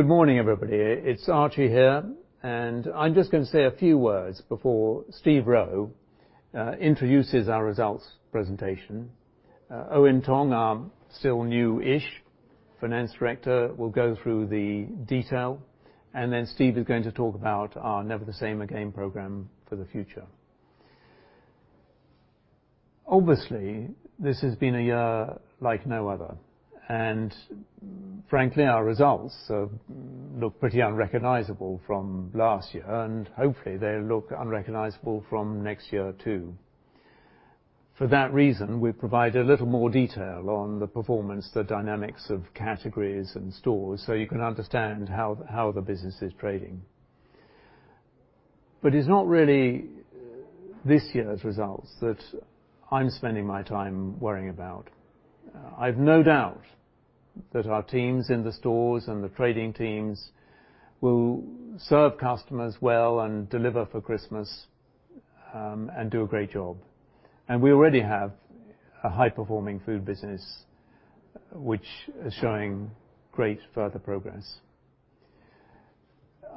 Good morning, everybody. It's Archie here, and I'm just going to say a few words before Steve Rowe introduces our results presentation. Eoin Tonge, our still new-ish Finance Director, will go through the detail, and then Steve is going to talk about our Never the Same Again program for the future. Obviously, this has been a year like no other, and frankly, our results look pretty unrecognizable from last year, and hopefully they'll look unrecognizable from next year, too. For that reason, we provide a little more detail on the performance, the dynamics of categories and stores, so you can understand how the business is trading. It's not really this year's results that I'm spending my time worrying about. I've no doubt that our teams in the stores and the trading teams will serve customers well and deliver for Christmas, and do a great job. We already have a high-performing food business, which is showing great further progress.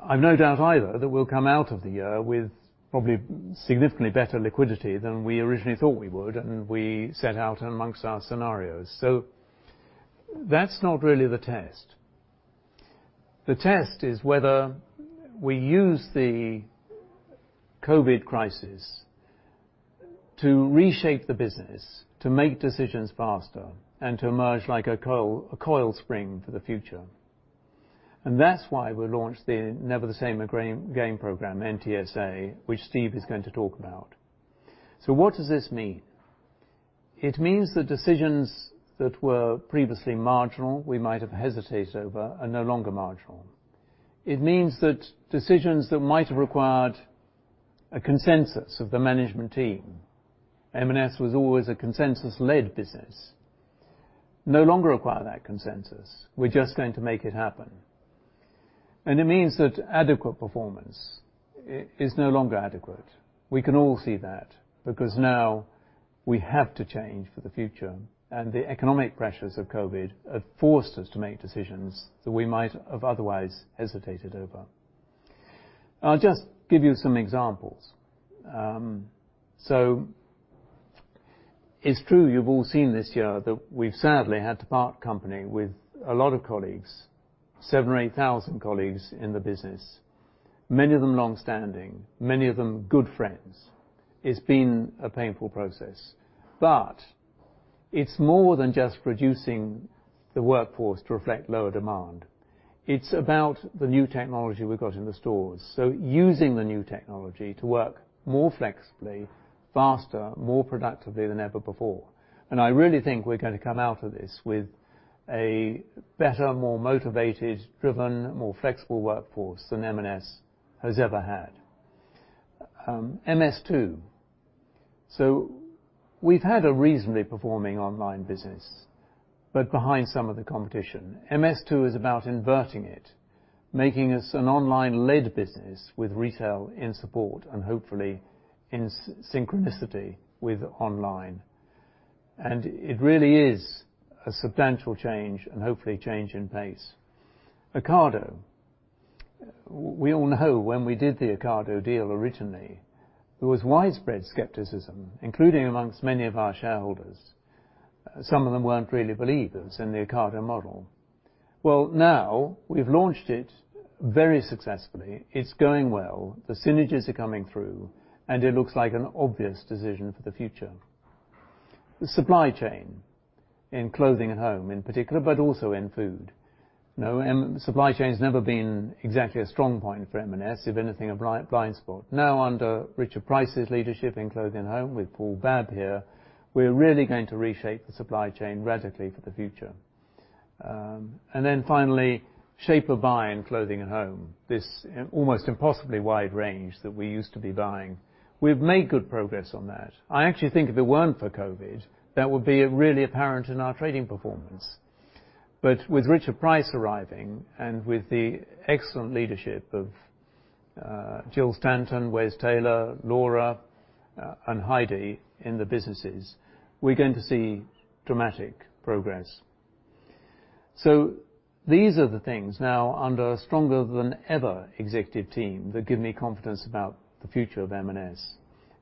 I've no doubt, either, that we'll come out of the year with probably significantly better liquidity than we originally thought we would, and we set out amongst our scenarios. That's not really the test. The test is whether we use the COVID crisis to reshape the business, to make decisions faster, and to emerge like a coil spring for the future. That's why we launched the Never the Same Again program, NTSA, which Steve is going to talk about. What does this mean? It means that decisions that were previously marginal, we might have hesitated over, are no longer marginal. It means that decisions that might have required a consensus of the management team, M&S was always a consensus-led business, no longer require that consensus. We're just going to make it happen. It means that adequate performance is no longer adequate. We can all see that, because now we have to change for the future, and the economic pressures of COVID have forced us to make decisions that we might have otherwise hesitated over. I'll just give you some examples. It's true, you've all seen this year that we've sadly had to part company with a lot of colleagues, 7,000 or 8,000 colleagues in the business, many of them longstanding, many of them good friends. It's been a painful process. It's more than just reducing the workforce to reflect lower demand. It's about the new technology we've got in the stores. Using the new technology to work more flexibly, faster, more productively than ever before. I really think we're going to come out of this with a better, more motivated, driven, more flexible workforce than M&S has ever had. MS2. We've had a reasonably performing online business, but behind some of the competition. MS2 is about inverting it, making us an online-led business with retail in support and hopefully in synchronicity with online. It really is a substantial change, and hopefully a change in pace. Ocado. We all know when we did the Ocado deal originally, there was widespread skepticism, including amongst many of our shareholders. Some of them weren't really believers in the Ocado model. Now we've launched it very successfully. It's going well. The synergies are coming through, and it looks like an obvious decision for the future. The supply chain in Clothing & Home in particular, but also in Food. Supply chain's never been exactly a strong point for M&S, if anything, a blind spot. Under Richard Price's leadership in Clothing & Home with Paul Babbs here, we're really going to reshape the supply chain radically for the future. Finally, shape of buy in Clothing & Home, this almost impossibly wide range that we used to be buying. We've made good progress on that. I actually think if it weren't for COVID, that would be really apparent in our trading performance. With Richard Price arriving and with the excellent leadership of Jill Stanton, Wes Taylor, Laura, and Heidi in the businesses, we're going to see dramatic progress. These are the things now under a stronger than ever executive team that give me confidence about the future of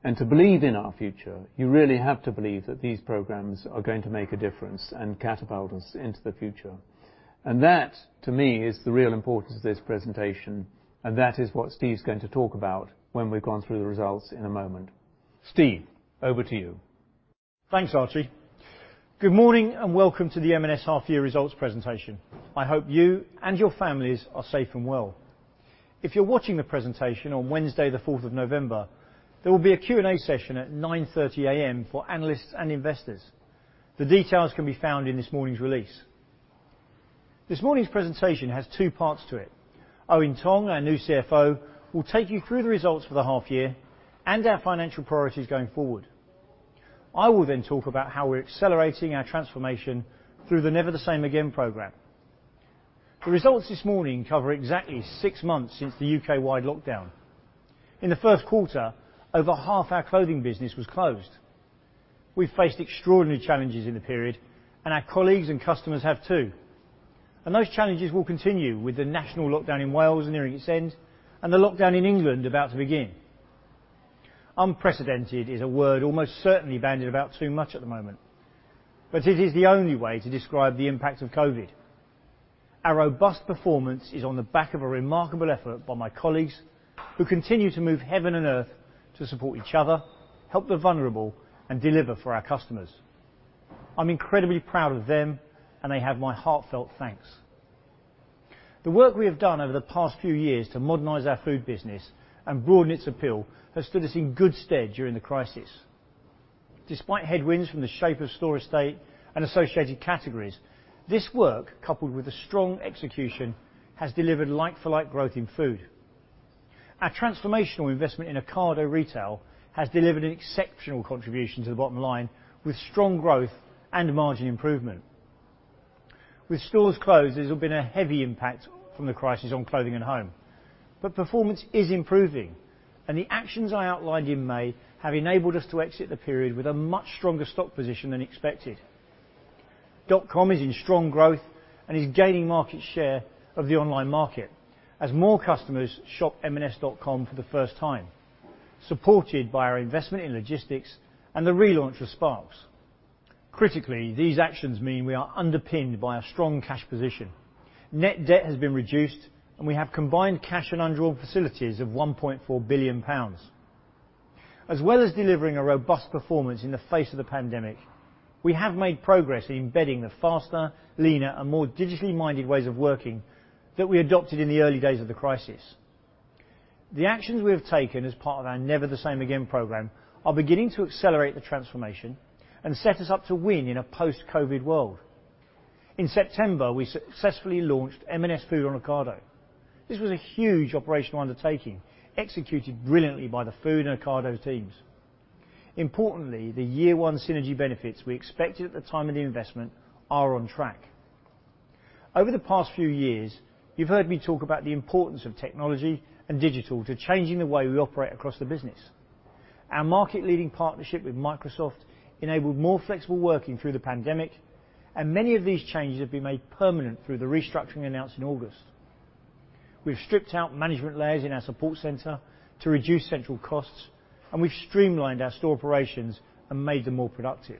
M&S. To believe in our future, you really have to believe that these programs are going to make a difference and catapult us into the future. That, to me, is the real importance of this presentation, and that is what Steve's going to talk about when we've gone through the results in a moment. Steve, over to you. Thanks, Archie. Good morning and welcome to the M&S half-year results presentation. I hope you and your families are safe and well. If you're watching the presentation on Wednesday the 4th of November, there will be a Q&A session at 9:30 A.M. for analysts and investors. The details can be found in this morning's release. This morning's presentation has two parts to it. Eoin Tonge, our new CFO, will take you through the results for the half year and our financial priorities going forward. I will then talk about how we're accelerating our transformation through the Never the Same Again program. The results this morning cover exactly six months since the U.K.-wide lockdown. In the first quarter, over half our clothing business was closed. We've faced extraordinary challenges in the period, and our colleagues and customers have too. Those challenges will continue with the national lockdown in Wales nearing its end and the lockdown in England about to begin. Unprecedented is a word almost certainly bandied about too much at the moment, but it is the only way to describe the impact of COVID. Our robust performance is on the back of a remarkable effort by my colleagues, who continue to move heaven and earth to support each other, help the vulnerable, and deliver for our customers. I'm incredibly proud of them, and they have my heartfelt thanks. The work we have done over the past few years to modernize our food business and broaden its appeal has stood us in good stead during the crisis. Despite headwinds from the shape of store estate and associated categories, this work, coupled with the strong execution, has delivered like-for-like growth in food. Our transformational investment in Ocado Retail has delivered an exceptional contribution to the bottom line with strong growth and margin improvement. With stores closed, there's been a heavy impact from the crisis on Clothing & Home. Performance is improving, and the actions I outlined in May have enabled us to exit the period with a much stronger stock position than expected. M&S.com is in strong growth and is gaining market share of the online market, as more customers shop M&S.com for the first time, supported by our investment in logistics and the relaunch of Sparks. Critically, these actions mean we are underpinned by a strong cash position. Net debt has been reduced, and we have combined cash and undrawn facilities of 1.4 billion pounds. As well as delivering a robust performance in the face of the pandemic, we have made progress in embedding the faster, leaner, and more digitally minded ways of working that we adopted in the early days of the crisis. The actions we have taken as part of our Never the Same Again program are beginning to accelerate the transformation and set us up to win in a post-COVID world. In September, we successfully launched M&S Food on Ocado. This was a huge operational undertaking, executed brilliantly by the Food and Ocado teams. Importantly, the year one synergy benefits we expected at the time of the investment are on track. Over the past few years, you've heard me talk about the importance of technology and digital to changing the way we operate across the business. Our market leading partnership with Microsoft enabled more flexible working through the pandemic, and many of these changes have been made permanent through the restructuring announced in August. We've stripped out management layers in our support center to reduce central costs, and we've streamlined our store operations and made them more productive.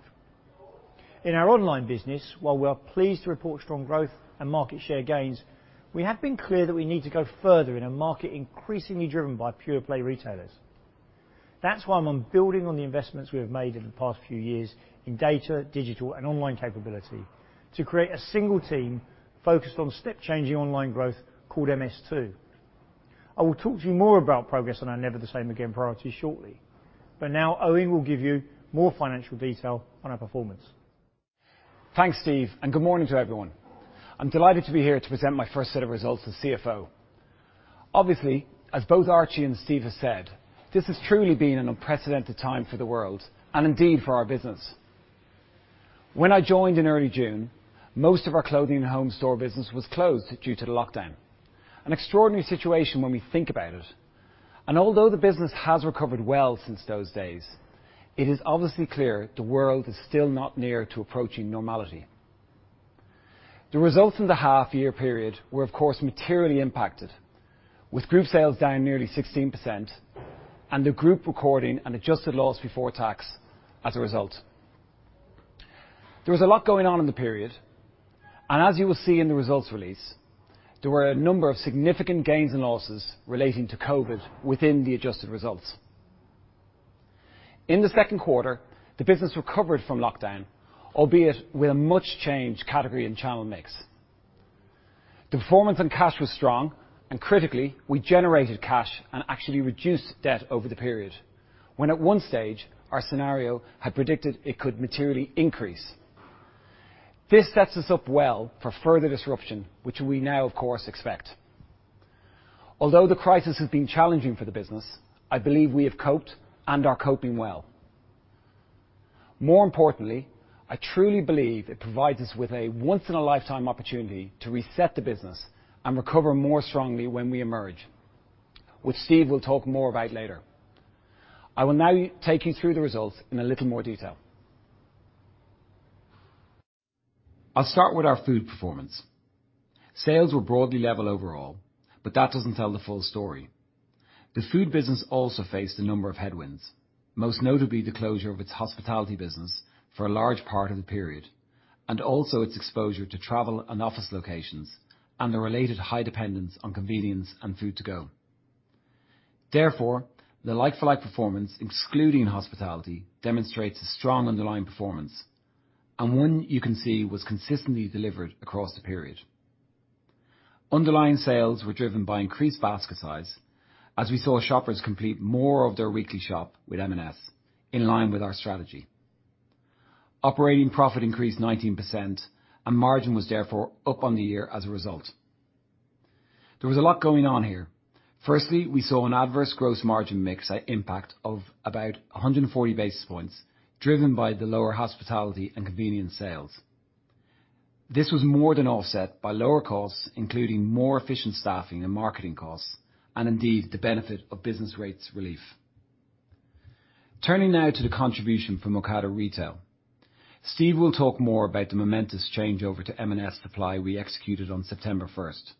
In our online business, while we are pleased to report strong growth and market share gains, we have been clear that we need to go further in a market increasingly driven by pure play retailers. That's why I'm building on the investments we have made in the past few years in data, digital, and online capability to create a single team focused on step-changing online growth called MS2. I will talk to you more about progress on our Never the Same Again priority shortly, but now Eoin will give you more financial detail on our performance. Thanks, Steve. Good morning to everyone. I'm delighted to be here to present my first set of results as CFO. Obviously, as both Archie and Steve have said, this has truly been an unprecedented time for the world and indeed for our business. When I joined in early June, most of our Clothing & Home store business was closed due to the lockdown. An extraordinary situation when we think about it. Although the business has recovered well since those days, it is obviously clear the world is still not near to approaching normality. The results in the half year period were, of course, materially impacted, with group sales down nearly 16% and the group recording an adjusted loss before tax as a result. There was a lot going on in the period, and as you will see in the results release, there were a number of significant gains and losses relating to COVID within the adjusted results. In the second quarter, the business recovered from lockdown, albeit with a much-changed category and channel mix. The performance on cash was strong, and critically, we generated cash and actually reduced debt over the period, when at one stage our scenario had predicted it could materially increase. This sets us up well for further disruption, which we now of course expect. Although the crisis has been challenging for the business, I believe we have coped and are coping well. More importantly, I truly believe it provides us with a once in a lifetime opportunity to reset the business and recover more strongly when we emerge, which Steve will talk more about later. I will now take you through the results in a little more detail. I'll start with our food performance. Sales were broadly level overall, but that doesn't tell the full story. The food business also faced a number of headwinds, most notably the closure of its hospitality business for a large part of the period, and also its exposure to travel and office locations and the related high dependence on convenience and food to go. Therefore, the like-for-like performance, excluding hospitality, demonstrates a strong underlying performance and one you can see was consistently delivered across the period. Underlying sales were driven by increased basket size as we saw shoppers complete more of their weekly shop with M&S in line with our strategy. Operating profit increased 19% and margin was therefore up on the year as a result. There was a lot going on here. Firstly, we saw an adverse gross margin mix impact of about 140 basis points driven by the lower hospitality and convenience sales. This was more than offset by lower costs, including more efficient staffing and marketing costs, and indeed, the benefit of business rates relief. Turning now to the contribution from Ocado Retail. Steve will talk more about the momentous changeover to M&S supply we executed on September 1st.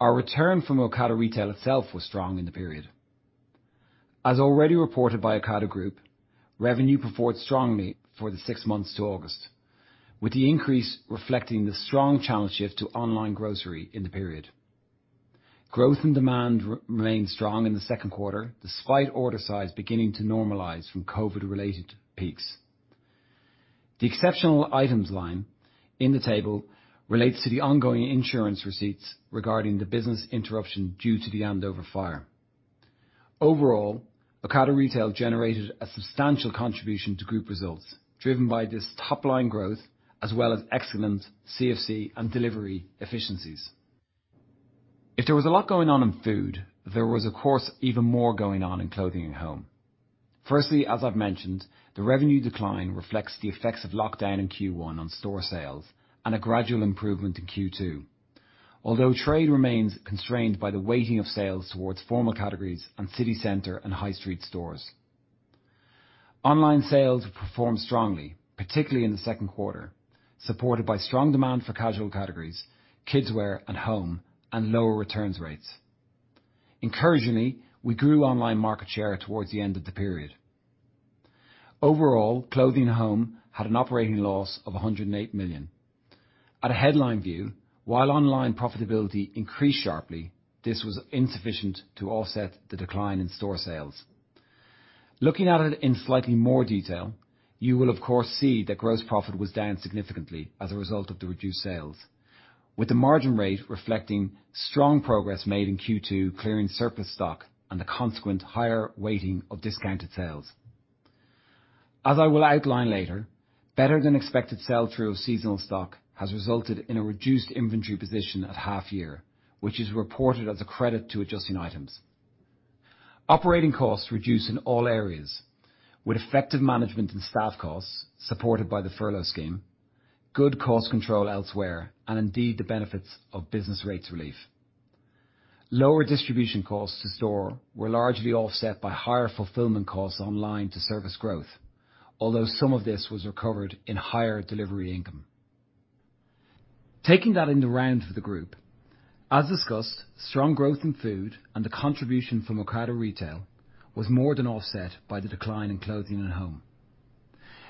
Our return from Ocado Retail itself was strong in the period. As already reported by Ocado Group, revenue performed strongly for the six months to August, with the increase reflecting the strong channel shift to online grocery in the period. Growth and demand remained strong in the second quarter, despite order size beginning to normalize from COVID-related peaks. The exceptional items line in the table relates to the ongoing insurance receipts regarding the business interruption due to the Andover fire. Overall, Ocado Retail generated a substantial contribution to group results, driven by this top-line growth, as well as excellent CFC and delivery efficiencies. If there was a lot going on in food, there was of course even more going on in Clothing & Home. Firstly, as I've mentioned, the revenue decline reflects the effects of lockdown in Q1 on store sales and a gradual improvement in Q2, although trade remains constrained by the weighting of sales towards formal categories and city-center and high street stores. Online sales performed strongly, particularly in the second quarter, supported by strong demand for casual categories, kidswear and home, and lower returns rates. Encouragingly, we grew online market share towards the end of the period. Overall, Clothing & Home had an operating loss of 108 million. At a headline view, while online profitability increased sharply, this was insufficient to offset the decline in store sales. Looking at it in slightly more detail, you will of course see that gross profit was down significantly as a result of the reduced sales, with the margin rate reflecting strong progress made in Q2 clearing surplus stock and the consequent higher weighting of discounted sales. As I will outline later, better than expected sell-through of seasonal stock has resulted in a reduced inventory position at half year, which is reported as a credit to adjusting items. Operating costs reduced in all areas with effective management and staff costs supported by the furlough scheme, good cost control elsewhere, and indeed, the benefits of business rates relief. Lower distribution costs to store were largely offset by higher fulfillment costs online to service growth, although some of this was recovered in higher delivery income. Taking that in the round for the group, as discussed, strong growth in food and the contribution from Ocado Retail was more than offset by the decline in Clothing & Home.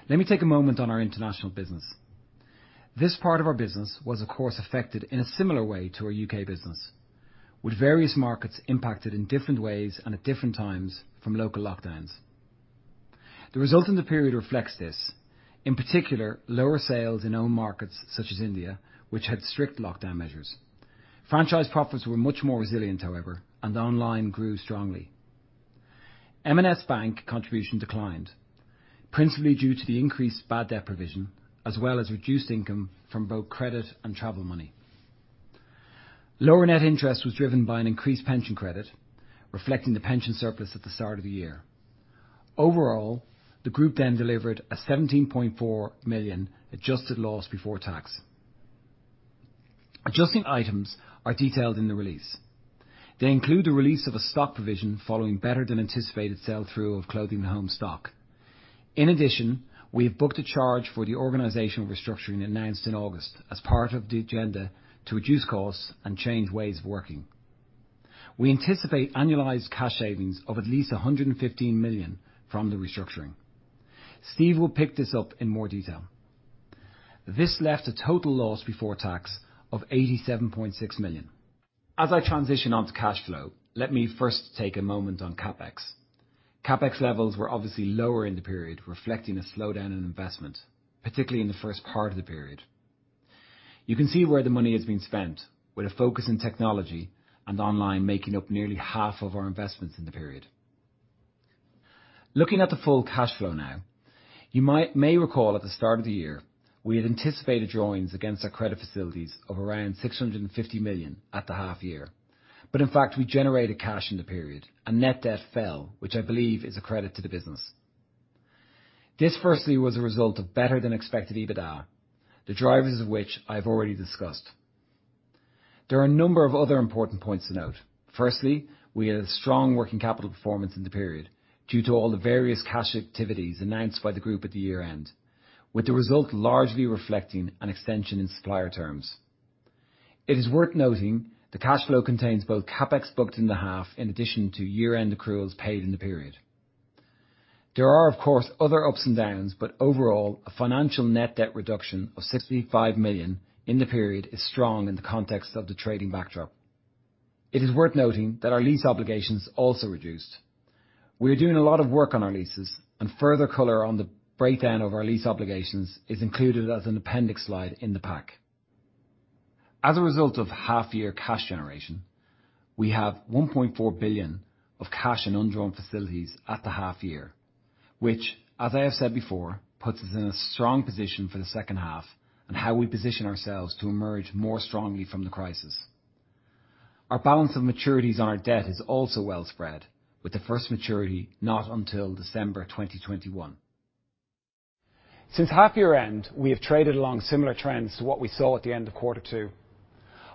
Let me take a moment on our international business. This part of our business was, of course, affected in a similar way to our U.K. business, with various markets impacted in different ways and at different times from local lockdowns. The result in the period reflects this. In particular, lower sales in owned markets such as India, which had strict lockdown measures. Franchise profits were much more resilient, however, and online grew strongly. M&S Bank contribution declined, principally due to the increased bad debt provision, as well as reduced income from both credit and travel money. Lower net interest was driven by an increased pension credit, reflecting the pension surplus at the start of the year. Overall, the group then delivered a 17.4 million adjusted loss before tax. Adjusting items are detailed in the release. They include the release of a stock provision following better than anticipated sell-through of Clothing & Home stock. In addition, we have booked a charge for the organizational restructuring announced in August as part of the agenda to reduce costs and change ways of working. We anticipate annualized cash savings of at least 115 million from the restructuring. Steve will pick this up in more detail. This left a total loss before tax of 87.6 million. As I transition onto cash flow, let me first take a moment on CapEx. CapEx levels were obviously lower in the period, reflecting a slowdown in investment, particularly in the first part of the period. You can see where the money is being spent with a focus in technology and online making up nearly half of our investments in the period. Looking at the full cash flow now, you may recall at the start of the year, we had anticipated drawings against our credit facilities of around 650 million at the half year. In fact, we generated cash in the period and net debt fell, which I believe is a credit to the business. This firstly, was a result of better than expected EBITDA, the drivers of which I've already discussed. There are a number of other important points to note. Firstly, we had a strong working capital performance in the period due to all the various cash activities announced by the group at the year-end, with the result largely reflecting an extension in supplier terms. It is worth noting the cash flow contains both CapEx booked in the half in addition to year-end accruals paid in the period. Overall, a financial net debt reduction of 65 million in the period is strong in the context of the trading backdrop. It is worth noting that our lease obligations also reduced. Further color on the breakdown of our lease obligations is included as an appendix slide in the pack. As a result of half-year cash generation, we have 1.4 billion of cash and undrawn facilities at the half year, which, as I have said before, puts us in a strong position for the second half on how we position ourselves to emerge more strongly from the crisis. Our balance of maturities on our debt is also well spread, with the first maturity not until December 2021. Since half year end, we have traded along similar trends to what we saw at the end of quarter two.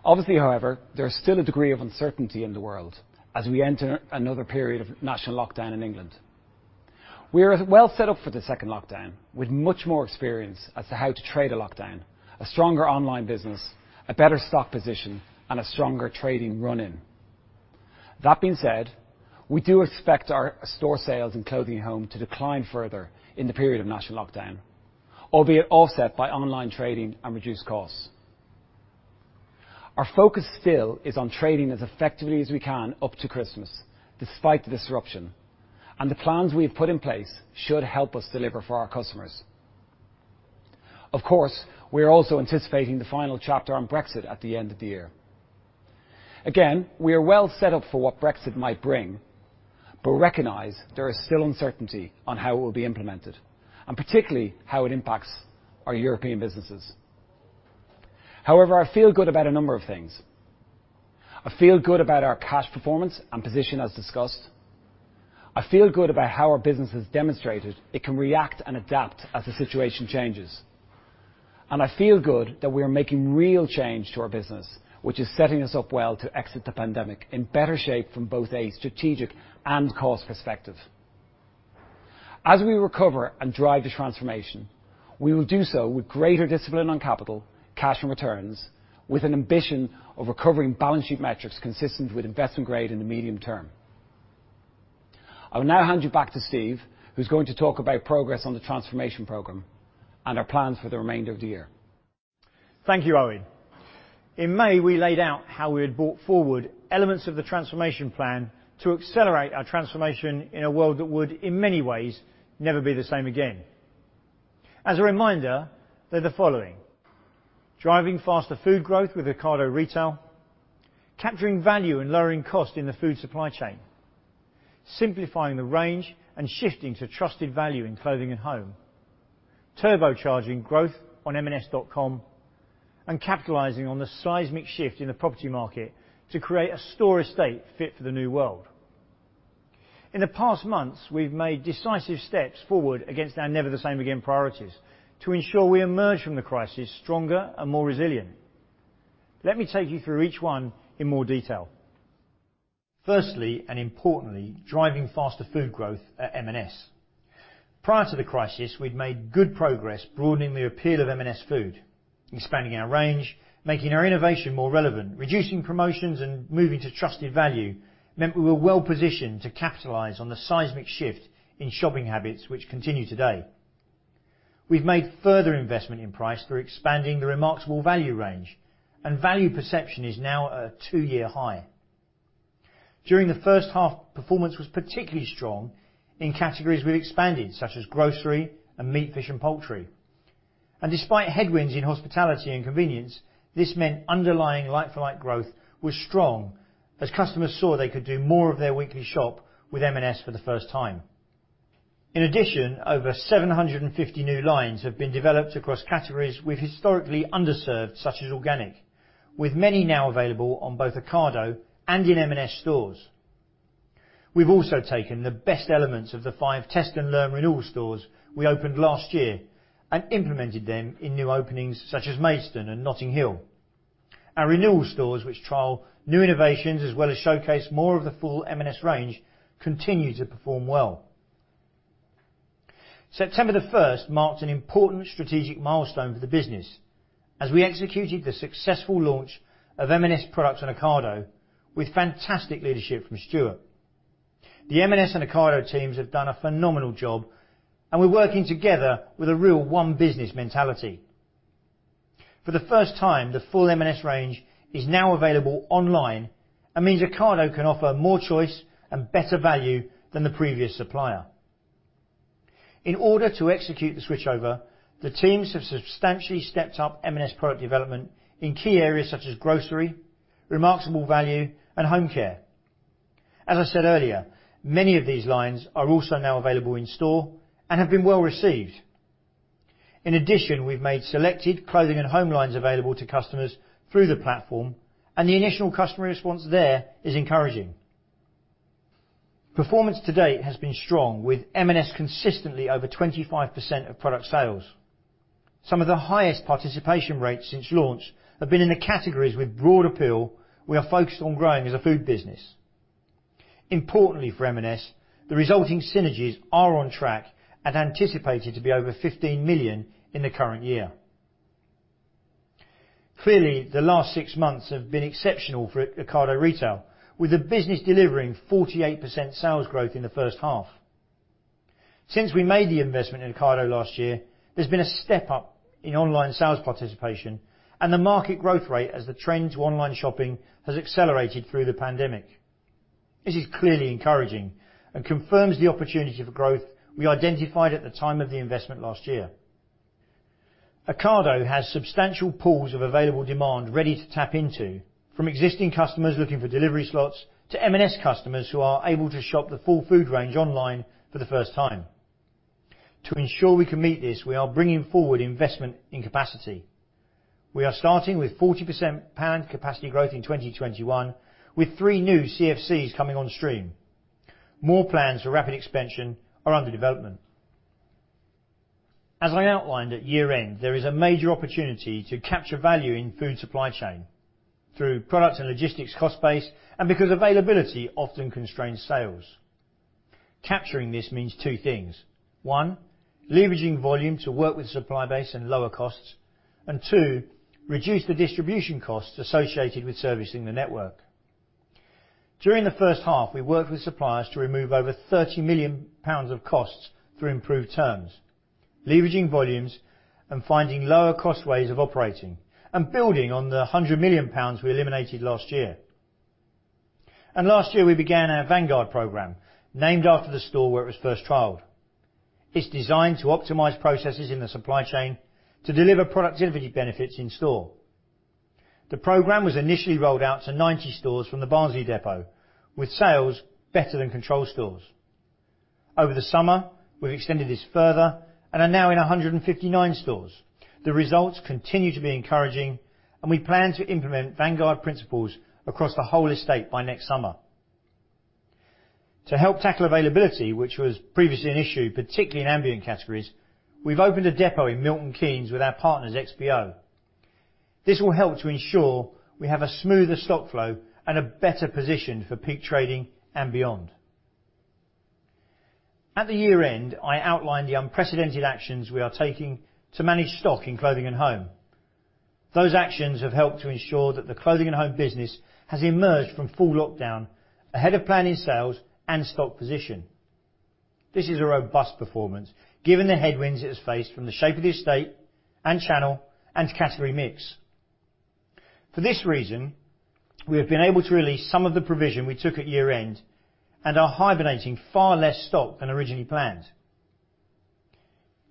Obviously, however, there's still a degree of uncertainty in the world as we enter another period of national lockdown in England. We are well set up for the second lockdown, with much more experience as to how to trade a lockdown, a stronger online business, a better stock position, and a stronger trading run-in. That being said, we do expect our store sales in Clothing & Home to decline further in the period of national lockdown, albeit offset by online trading and reduced costs. Our focus still is on trading as effectively as we can up to Christmas despite the disruption, and the plans we have put in place should help us deliver for our customers. Of course, we are also anticipating the final chapter on Brexit at the end of the year. Again, we are well set up for what Brexit might bring, but recognize there is still uncertainty on how it will be implemented, and particularly how it impacts our European businesses. However, I feel good about a number of things. I feel good about our cash performance and position as discussed. I feel good about how our business has demonstrated it can react and adapt as the situation changes. I feel good that we are making real change to our business, which is setting us up well to exit the pandemic in better shape from both a strategic and cost perspective. As we recover and drive the transformation, we will do so with greater discipline on capital, cash, and returns, with an ambition of recovering balance sheet metrics consistent with investment grade in the medium term. I will now hand you back to Steve, who's going to talk about progress on the transformation program and our plans for the remainder of the year. Thank you, Eoin. In May, we laid out how we had brought forward elements of the transformation plan to accelerate our transformation in a world that would, in many ways, never be the same again. As a reminder, they're the following. Driving faster food growth with Ocado Retail, capturing value and lowering cost in the food supply chain, simplifying the range and shifting to trusted value in Clothing & Home, turbocharging growth on M&S.com, and capitalizing on the seismic shift in the property market to create a store estate fit for the new world. In the past months, we've made decisive steps forward against our Never the Same Again priorities to ensure we emerge from the crisis stronger and more resilient. Let me take you through each one in more detail. Firstly and importantly, driving faster food growth at M&S. Prior to the crisis, we'd made good progress broadening the appeal of M&S Food, expanding our range, making our innovation more relevant. Reducing promotions and moving to trusted value meant we were well-positioned to capitalize on the seismic shift in shopping habits which continue today. We've made further investment in price through expanding the Remarksable Value range, and value perception is now at a two-year high. During the first half, performance was particularly strong in categories we've expanded, such as grocery and meat, fish and poultry. Despite headwinds in hospitality and convenience, this meant underlying like-for-like growth was strong as customers saw they could do more of their weekly shop with M&S for the first time. In addition, over 750 new lines have been developed across categories we've historically underserved, such as organic, with many now available on both Ocado and in M&S stores. We've also taken the best elements of the five test-and-learn renewal stores we opened last year and implemented them in new openings such as Maidstone and Notting Hill. Our renewal stores, which trial new innovations as well as showcase more of the full M&S range, continue to perform well. September 1st marked an important strategic milestone for the business as we executed the successful launch of M&S products on Ocado with fantastic leadership from Stuart. The M&S and Ocado teams have done a phenomenal job, and we're working together with a real one business mentality. For the first time, the full M&S range is now available online and means Ocado can offer more choice and better value than the previous supplier. In order to execute the switchover, the teams have substantially stepped up M&S product development in key areas such as grocery, Remarksable Value, and home care. As I said earlier, many of these lines are also now available in store and have been well received. In addition, we've made selected Clothing & Home lines available to customers through the platform, and the initial customer response there is encouraging. Performance to date has been strong, with M&S consistently over 25% of product sales. Some of the highest participation rates since launch have been in the categories with broad appeal we are focused on growing as a food business. Importantly for M&S, the resulting synergies are on track and anticipated to be over 15 million in the current year. Clearly, the last six months have been exceptional for Ocado Retail, with the business delivering 48% sales growth in the first half. Since we made the investment in Ocado last year, there's been a step up in online sales participation and the market growth rate as the trend to online shopping has accelerated through the pandemic. This is clearly encouraging and confirms the opportunity for growth we identified at the time of the investment last year. Ocado has substantial pools of available demand ready to tap into, from existing customers looking for delivery slots, to M&S customers who are able to shop the full food range online for the first time. To ensure we can meet this, we are bringing forward investment in capacity. We are starting with 40% planned capacity growth in 2021, with three new CFCs coming on stream. More plans for rapid expansion are under development. As I outlined at year-end, there is a major opportunity to capture value in food supply chain through product and logistics cost base, and because availability often constrains sales. Capturing this means two things. One, leveraging volume to work with supply base and lower costs, and two, reduce the distribution costs associated with servicing the network. During the first half, we worked with suppliers to remove over 30 million pounds of costs through improved terms, leveraging volumes, and finding lower cost ways of operating and building on the 100 million pounds we eliminated last year. Last year, we began our Vanguard Program, named after the store where it was first trialed. It's designed to optimize processes in the supply chain to deliver productivity benefits in store. The program was initially rolled out to 90 stores from the Barnsley depot, with sales better than control stores. Over the summer, we've extended this further and are now in 159 stores. The results continue to be encouraging, and we plan to implement Vanguard principles across the whole estate by next summer. To help tackle availability, which was previously an issue, particularly in ambient categories, we've opened a depot in Milton Keynes with our partners XPO. This will help to ensure we have a smoother stock flow and a better position for peak trading and beyond. At the year-end, I outlined the unprecedented actions we are taking to manage stock in Clothing & Home. Those actions have helped to ensure that the Clothing & Home business has emerged from full lockdown ahead of planning sales and stock position. This is a robust performance given the headwinds it has faced from the shape of the estate and channel and category mix. For this reason, we have been able to release some of the provision we took at year-end and are hibernating far less stock than originally planned.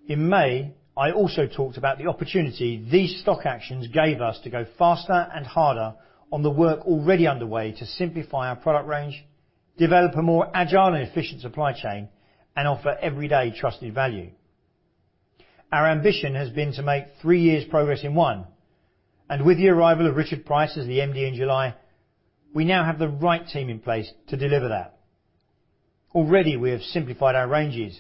In May, I also talked about the opportunity these stock actions gave us to go faster and harder on the work already underway to simplify our product range, develop a more agile and efficient supply chain, and offer everyday trusted value. Our ambition has been to make three years' progress in one, and with the arrival of Richard Price as the MD in July, we now have the right team in place to deliver that. Already, we have simplified our ranges.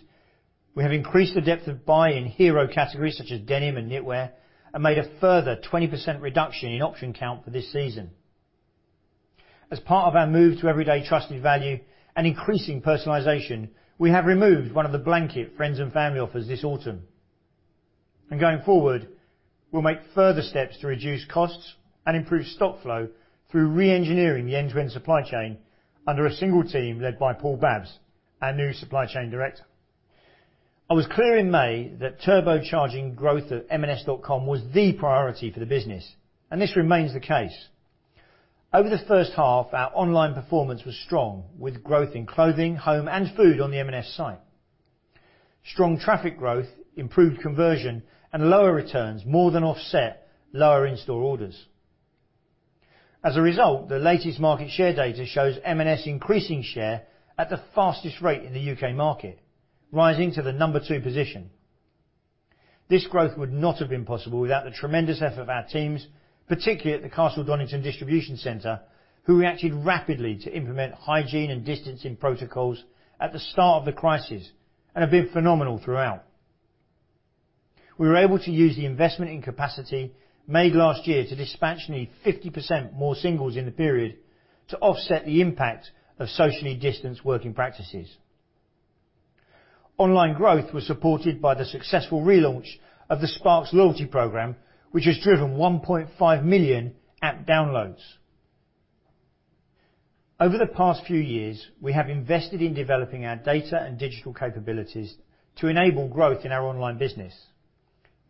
We have increased the depth of buy-in hero categories such as denim and knitwear and made a further 20% reduction in option count for this season. As part of our move to everyday trusted value and increasing personalization, we have removed one of the blanket friends and family offers this autumn. Going forward, we'll make further steps to reduce costs and improve stock flow through re-engineering the end-to-end supply chain under a single team led by Paul Babbs, our new supply chain director. I was clear in May that turbocharging growth at M&S.com was the priority for the business, and this remains the case. Over the first half, our online performance was strong, with growth in Clothing & Home and food on the M&S site. Strong traffic growth, improved conversion, and lower returns more than offset lower in-store orders. As a result, the latest market share data shows M&S increasing share at the fastest rate in the U.K. market, rising to the number two position. This growth would not have been possible without the tremendous effort of our teams, particularly at the Castle Donington distribution center, who reacted rapidly to implement hygiene and distancing protocols at the start of the crisis and have been phenomenal throughout. We were able to use the investment in capacity made last year to dispatch nearly 50% more singles in the period to offset the impact of socially distanced working practices. Online growth was supported by the successful relaunch of the Sparks loyalty program, which has driven 1.5 million app downloads. Over the past few years, we have invested in developing our data and digital capabilities to enable growth in our online business.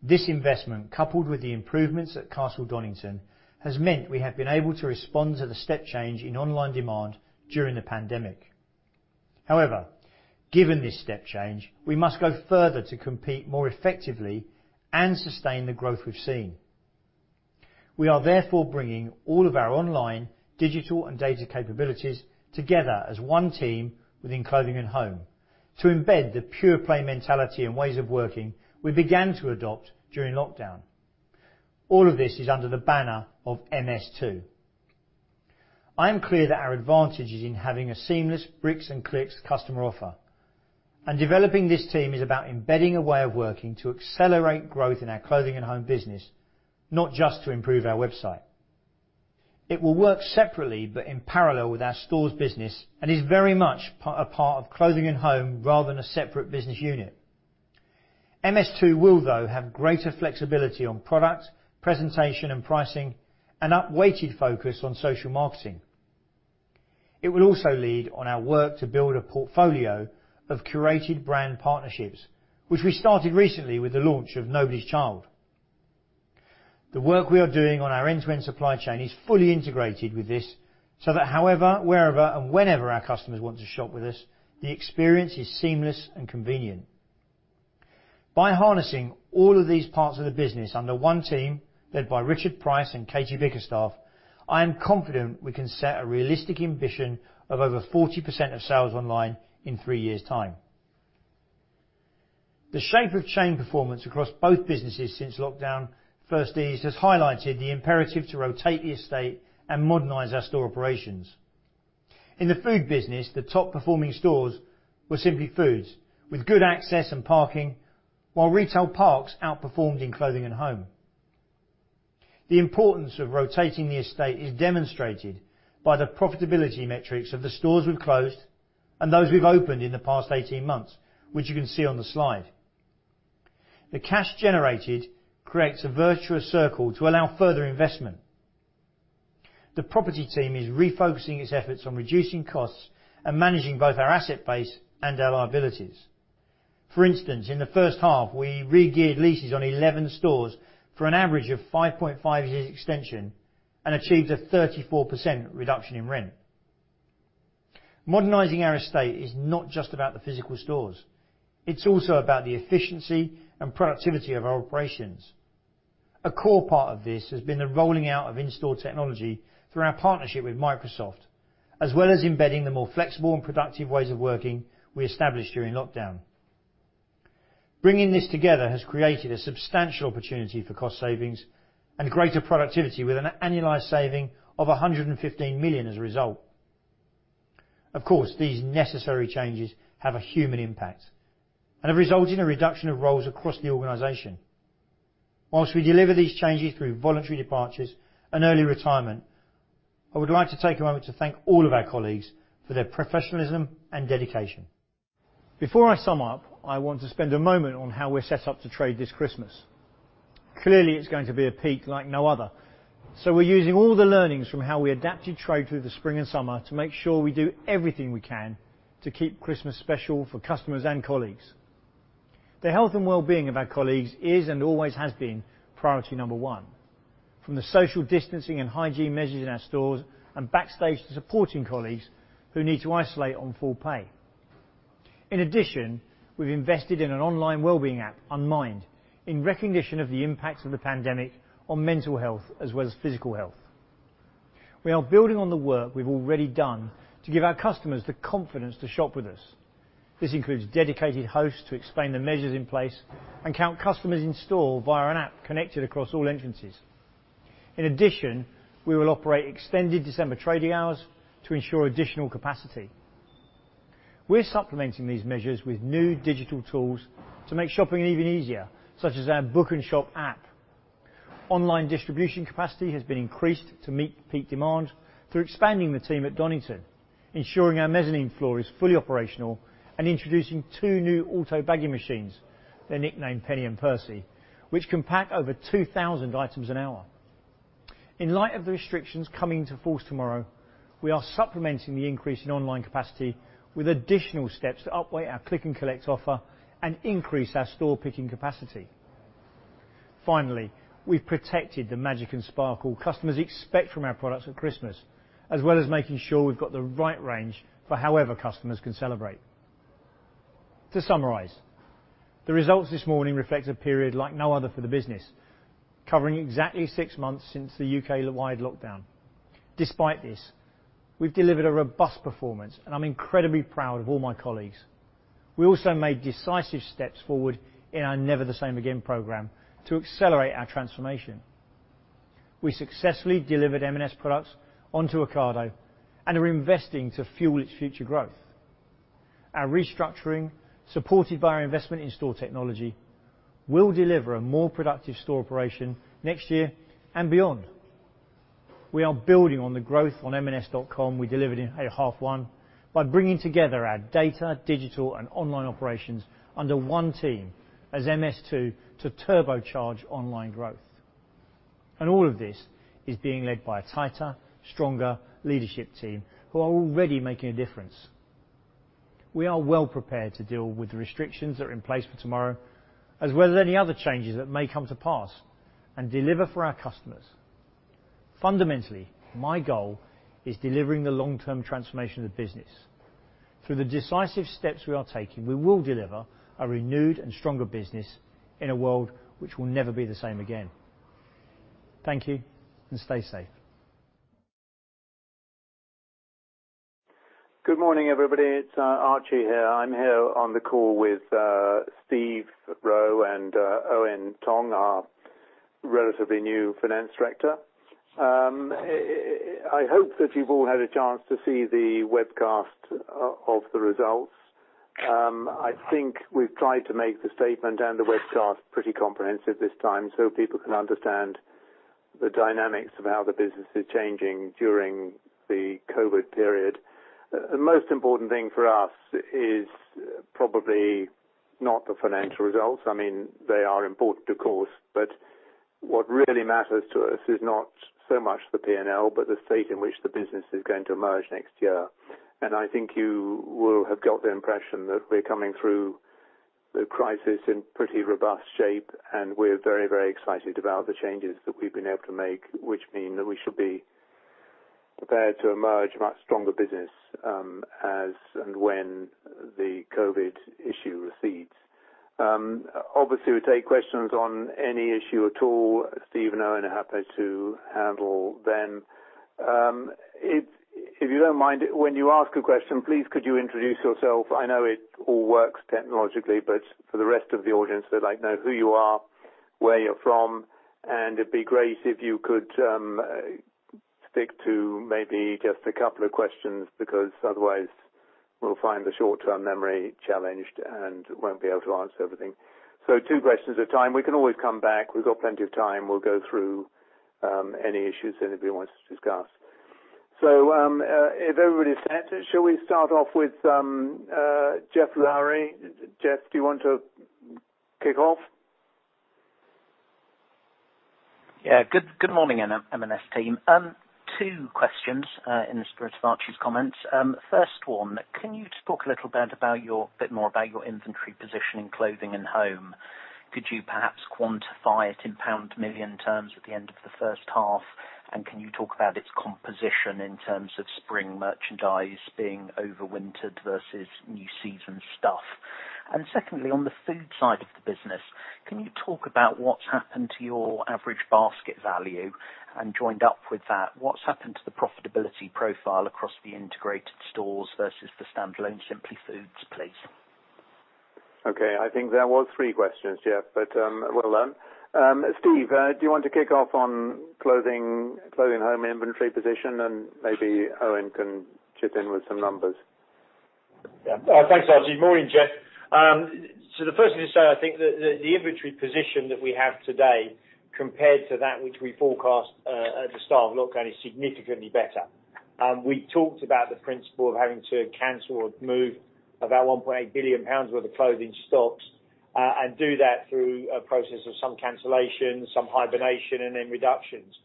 This investment, coupled with the improvements at Castle Donington, has meant we have been able to respond to the step change in online demand during the pandemic. However, given this step change, we must go further to compete more effectively and sustain the growth we've seen. We are therefore bringing all of our online, digital, and data capabilities together as one team within Clothing & Home to embed the pure play mentality and ways of working we began to adopt during lockdown. All of this is under the banner of MS2. I am clear that our advantage is in having a seamless bricks and clicks customer offer and developing this team is about embedding a way of working to accelerate growth in our Clothing & Home business, not just to improve our website. It will work separately but in parallel with our stores business and is very much a part of Clothing & Home rather than a separate business unit. MS2 will though have greater flexibility on product, presentation, and pricing, and up-weighted focus on social marketing. It will also lead on our work to build a portfolio of curated brand partnerships, which we started recently with the launch of Nobody's Child. The work we are doing on our end-to-end supply chain is fully integrated with this so that however, wherever, and whenever our customers want to shop with us, the experience is seamless and convenient. By harnessing all of these parts of the business under one team led by Richard Price and Katie Bickerstaffe, I am confident we can set a realistic ambition of over 40% of sales online in three years' time. The shape of chain performance across both businesses since lockdown first eased has highlighted the imperative to rotate the estate and modernize our store operations. In the food business, the top performing stores were Simply Food with good access and parking, while retail parks outperformed in Clothing & Home. The importance of rotating the estate is demonstrated by the profitability metrics of the stores we've closed and those we've opened in the past 18 months, which you can see on the slide. The cash generated creates a virtuous circle to allow further investment. The property team is refocusing its efforts on reducing costs and managing both our asset base and our liabilities. For instance, in the first half, we regeared leases on 11 stores for an average of 5.5 years extension and achieved a 34% reduction in rent. Modernizing our estate is not just about the physical stores. It's also about the efficiency and productivity of our operations. A core part of this has been the rolling out of in-store technology through our partnership with Microsoft, as well as embedding the more flexible and productive ways of working we established during lockdown. Bringing this together has created a substantial opportunity for cost savings and greater productivity with an annualized saving of 115 million as a result. Of course, these necessary changes have a human impact and have resulted in a reduction of roles across the organization. While we deliver these changes through voluntary departures and early retirement, I would like to take a moment to thank all of our colleagues for their professionalism and dedication. Before I sum up, I want to spend a moment on how we're set up to trade this Christmas. Clearly, it's going to be a peak like no other, so we're using all the learnings from how we adapted trade through the spring and summer to make sure we do everything we can to keep Christmas special for customers and colleagues. The health and wellbeing of our colleagues is and always has been priority number one, from the social distancing and hygiene measures in our stores and backstage to supporting colleagues who need to isolate on full pay. In addition, we've invested in an online wellbeing app on Mind, in recognition of the impact of the pandemic on mental health as well as physical health. We are building on the work we've already done to give our customers the confidence to shop with us. This includes dedicated hosts to explain the measures in place and count customers in store via an app connected across all entrances. In addition, we will operate extended December trading hours to ensure additional capacity. We're supplementing these measures with new digital tools to make shopping even easier, such as our Book & Shop app. Online distribution capacity has been increased to meet peak demand through expanding the team at Donington, ensuring our mezzanine floor is fully operational and introducing two new auto bagging machines, they're nicknamed Penny and Percy, which can pack over 2,000 items an hour. In light of the restrictions coming into force tomorrow, we are supplementing the increase in online capacity with additional steps to upweight our click and collect offer and increase our store picking capacity. Finally, we've protected the magic and sparkle customers expect from our products at Christmas, as well as making sure we've got the right range for however customers can celebrate. To summarize, the results this morning reflects a period like no other for the business, covering exactly six months since the U.K.-wide lockdown. Despite this, we've delivered a robust performance, and I'm incredibly proud of all my colleagues. We also made decisive steps forward in our Never the Same Again program to accelerate our transformation. We successfully delivered M&S products onto Ocado and are investing to fuel its future growth. Our restructuring, supported by our investment in store technology, will deliver a more productive store operation next year and beyond. We are building on the growth on M&S.com we delivered in half one by bringing together our data, digital, and online operations under one team as MS2 to turbocharge online growth. All of this is being led by a tighter, stronger leadership team who are already making a difference. We are well prepared to deal with the restrictions that are in place for tomorrow, as well as any other changes that may come to pass, and deliver for our customers. Fundamentally, my goal is delivering the long-term transformation of the business. Through the decisive steps we are taking, we will deliver a renewed and stronger business in a world which will Never the Same Again. Thank you, and stay safe. Good morning, everybody. It's Archie here. I'm here on the call with Steve Rowe and Eoin Tonge, our relatively new Finance Director. I hope that you've all had a chance to see the webcast of the results. I think we've tried to make the statement and the webcast pretty comprehensive this time so people can understand the dynamics of how the business is changing during the COVID period. The most important thing for us is probably not the financial results. They are important, of course, but what really matters to us is not so much the P&L, but the state in which the business is going to emerge next year. I think you will have got the impression that we're coming through the crisis in pretty robust shape, and we're very, very excited about the changes that we've been able to make, which mean that we should be prepared to emerge a much stronger business as and when the COVID issue recedes. Obviously, we take questions on any issue at all. Steve and Eoin are happy to handle them. If you don't mind, when you ask a question, please could you introduce yourself? I know it all works technologically, but for the rest of the audience, they'd like to know who you are, where you're from, and it'd be great if you could stick to maybe just a couple of questions, because otherwise we'll find the short-term memory challenged and won't be able to answer everything. Two questions at a time. We can always come back. We've got plenty of time. We'll go through any issues anybody wants to discuss. If everybody's set, shall we start off with Geoff Lowery? Geoff, do you want to kick off? Yeah. Good morning, M&S team. Two questions in the spirit of Archie's comments. First one, can you talk a little bit more about your inventory position in Clothing & Home? Could you perhaps quantify it in pound million terms at the end of the first half? Can you talk about its composition in terms of spring merchandise being overwintered versus new season stuff? Secondly, on the Food side of the business, can you talk about what's happened to your average basket value? Joined up with that, what's happened to the profitability profile across the integrated stores versus the standalone Simply Food, please? Okay. I think that was three questions, Geoff, but well done. Steve, do you want to kick off on Clothing & Home inventory position, and maybe Eoin can chip in with some numbers? Thanks, Archie. Morning, Geoff. The first thing to say, I think that the inventory position that we have today compared to that which we forecast at the start of lockdown is significantly better. We talked about the principle of having to cancel or move about 1.8 billion pounds worth of clothing stocks, and do that through a process of some cancellation, some hibernation, and then reductions.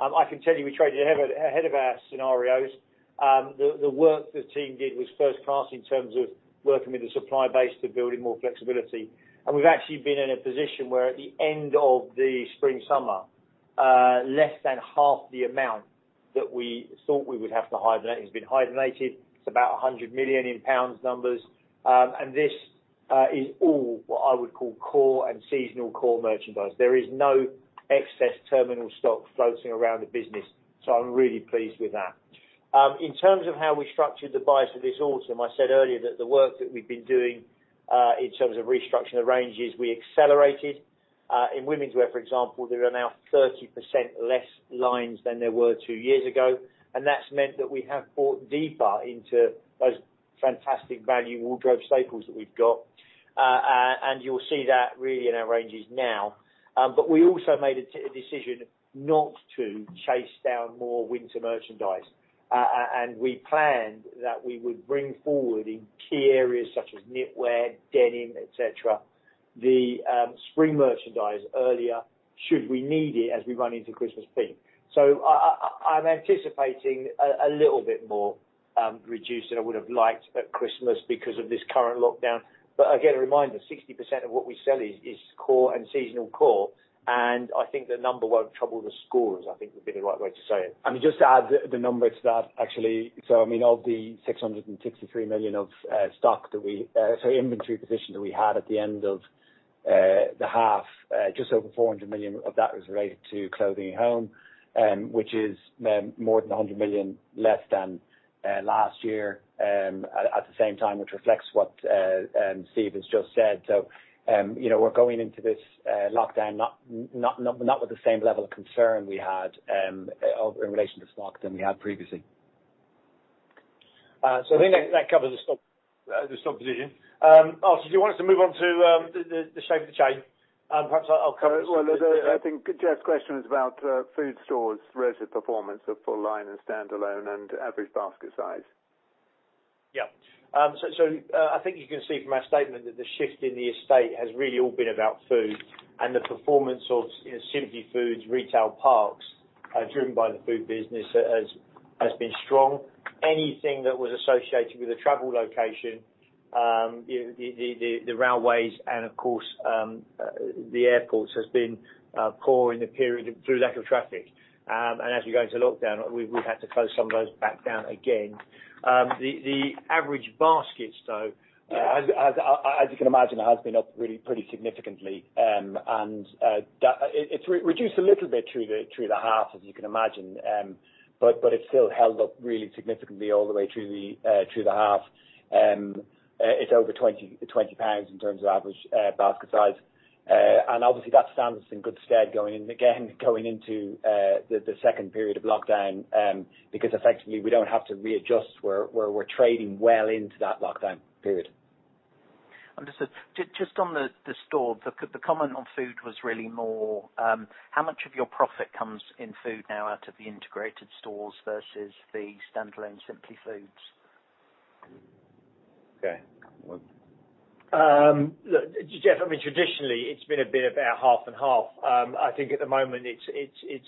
I can tell you we traded ahead of our scenarios. The work the team did was first class in terms of working with the supply base to building more flexibility. We've actually been in a position where at the end of the spring-summer, less than half the amount that we thought we would have to hibernate has been hibernated. It's about 100 million pounds. This is all what I would call core and seasonal core merchandise. There is no excess terminal stock floating around the business, so I'm really pleased with that. In terms of how we structured the buys for this autumn, I said earlier that the work that we've been doing, in terms of restructuring the ranges, we accelerated. In womenswear, for example, there are now 30% less lines than there were two years ago, and that's meant that we have bought deeper into those fantastic value wardrobe staples that we've got. You'll see that really in our ranges now. We also made a decision not to chase down more winter merchandise. We planned that we would bring forward in key areas such as knitwear, denim, et cetera, the spring merchandise earlier should we need it as we run into Christmas peak. I'm anticipating a little bit more reduce than I would have liked at Christmas because of this current lockdown. Again, a reminder, 60% of what we sell is core and seasonal core, and I think the number won't trouble the scorers, I think would be the right way to say it. Just to add the number to that, actually, so of the 663 million of inventory position that we had at the end of the half, just over 400 million of that was related to Clothing & Home, which is more than 100 million less than last year at the same time, which reflects what Steve has just said. We're going into this lockdown not with the same level of concern we had in relation to stock than we had previously. I think that covers the stock position. Archie, do you want us to move on to the shape of the chain? Well, I think Geoff's question was about food stores relative performance of full line and standalone and average basket size. Yeah. I think you can see from our statement that the shift in the estate has really all been about food and the performance of Simply Food retail parks driven by the food business has been strong. Anything that was associated with a travel location, the railways and of course, the airports, has been poor in the period through lack of traffic. As we go into lockdown, we've had to close some of those back down again. The average basket, though, as you can imagine, has been up really pretty significantly. It's reduced a little bit through the half, as you can imagine. It's still held up really significantly all the way through the half. It's over 20 pounds in terms of average basket size. Obviously, that stands us in good stead going into the second period of lockdown, because effectively we don't have to readjust where we're trading well into that lockdown period. Understood. Just on the store, the comment on food was really more how much of your profit comes in food now out of the integrated stores versus the standalone Simply Food? Okay. Well Look, Geoff, traditionally, it's been a bit about half and half. I think at the moment it's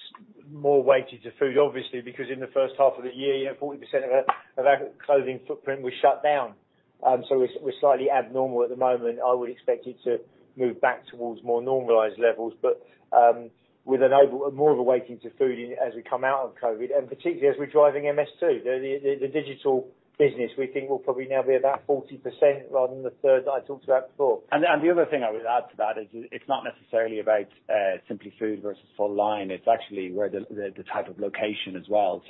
more weighted to food, obviously, because in the first half of the year, 40% of our clothing footprint was shut down. We're slightly abnormal at the moment. I would expect it to move back towards more normalized levels, but with more of a weighting to food as we come out of COVID, and particularly as we're driving MS2, the digital business we think will probably now be about 40% rather than the third that I talked about before. The other thing I would add to that is it's not necessarily about Simply Food versus full line, it's actually where the type of location as well.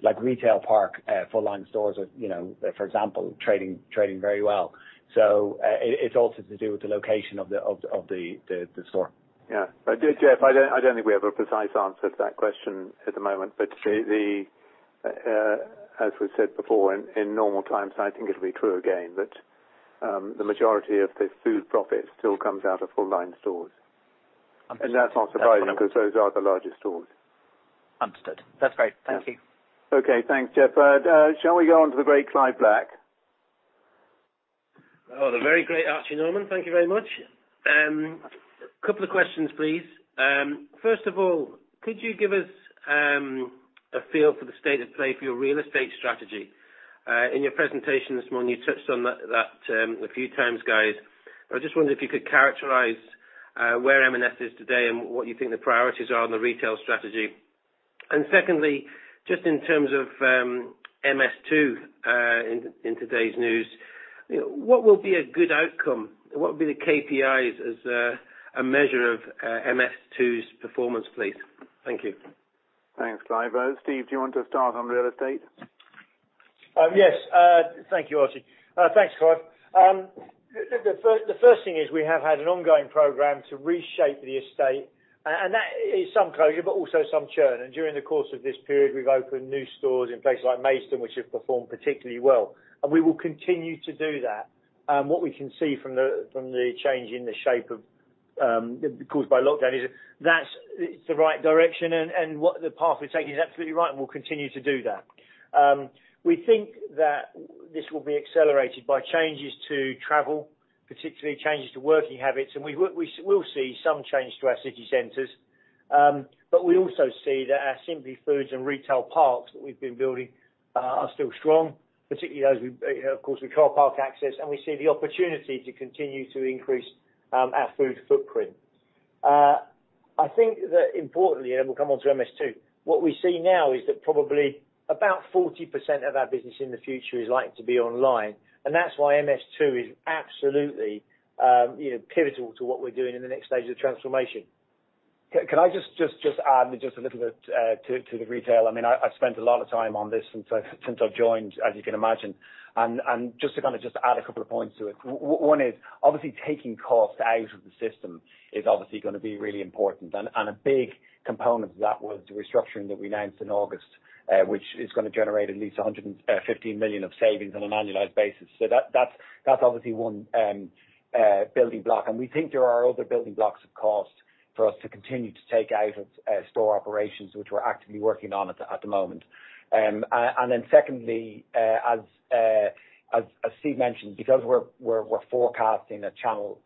Like retail park, full line stores are, for example, trading very well. It's also to do with the location of the store. Yeah. Geoff, I don't think we have a precise answer to that question at the moment, but as we've said before, in normal times, I think it'll be true again, but the majority of the food profit still comes out of full-line stores. Understood. That's not surprising because those are the largest stores. Understood. That's great. Thank you. Okay. Thanks, Geoff. Shall we go on to the great Clive Black? Oh, the very great Archie Norman. Thank you very much. Couple of questions, please. First of all, could you give us a feel for the state of play for your real estate strategy? In your presentation this morning, you touched on that a few times, guys. I just wondered if you could characterize where M&S is today and what you think the priorities are on the retail strategy. Secondly, just in terms of MS2 in today's news, what will be a good outcome? What would be the KPIs as a measure of MS2's performance, please? Thank you. Thanks, Clive. Steve, do you want to start on real estate? Yes. Thank you, Archie. Thanks, Clive. The first thing is we have had an ongoing program to reshape the estate, and that is some closure, but also some churn. During the course of this period, we've opened new stores in places like Maidstone, which have performed particularly well, and we will continue to do that. What we can see from the change in the shape caused by lockdown is it's the right direction and the path we're taking is absolutely right and we'll continue to do that. We think that this will be accelerated by changes to travel, particularly changes to working habits, and we will see some change to our city centers. We also see that our Simply Food and retail parks that we've been building are still strong, particularly those, of course, with car park access, and we see the opportunity to continue to increase our food footprint. I think that importantly, and we'll come on to MS2, what we see now is that probably about 40% of our business in the future is likely to be online, and that's why MS2 is absolutely pivotal to what we're doing in the next stage of the transformation. Can I just add just a little bit to the retail? I've spent a lot of time on this since I've joined, as you can imagine, and just to add a couple of points to it. One is obviously taking cost out of the system is obviously going to be really important, and a big component of that was the restructuring that we announced in August, which is going to generate at least 115 million of savings on an annualized basis. That's obviously one building block. We think there are other building blocks of cost for us to continue to take out of store operations, which we're actively working on at the moment. Then secondly, as Steve mentioned, because we're forecasting a channel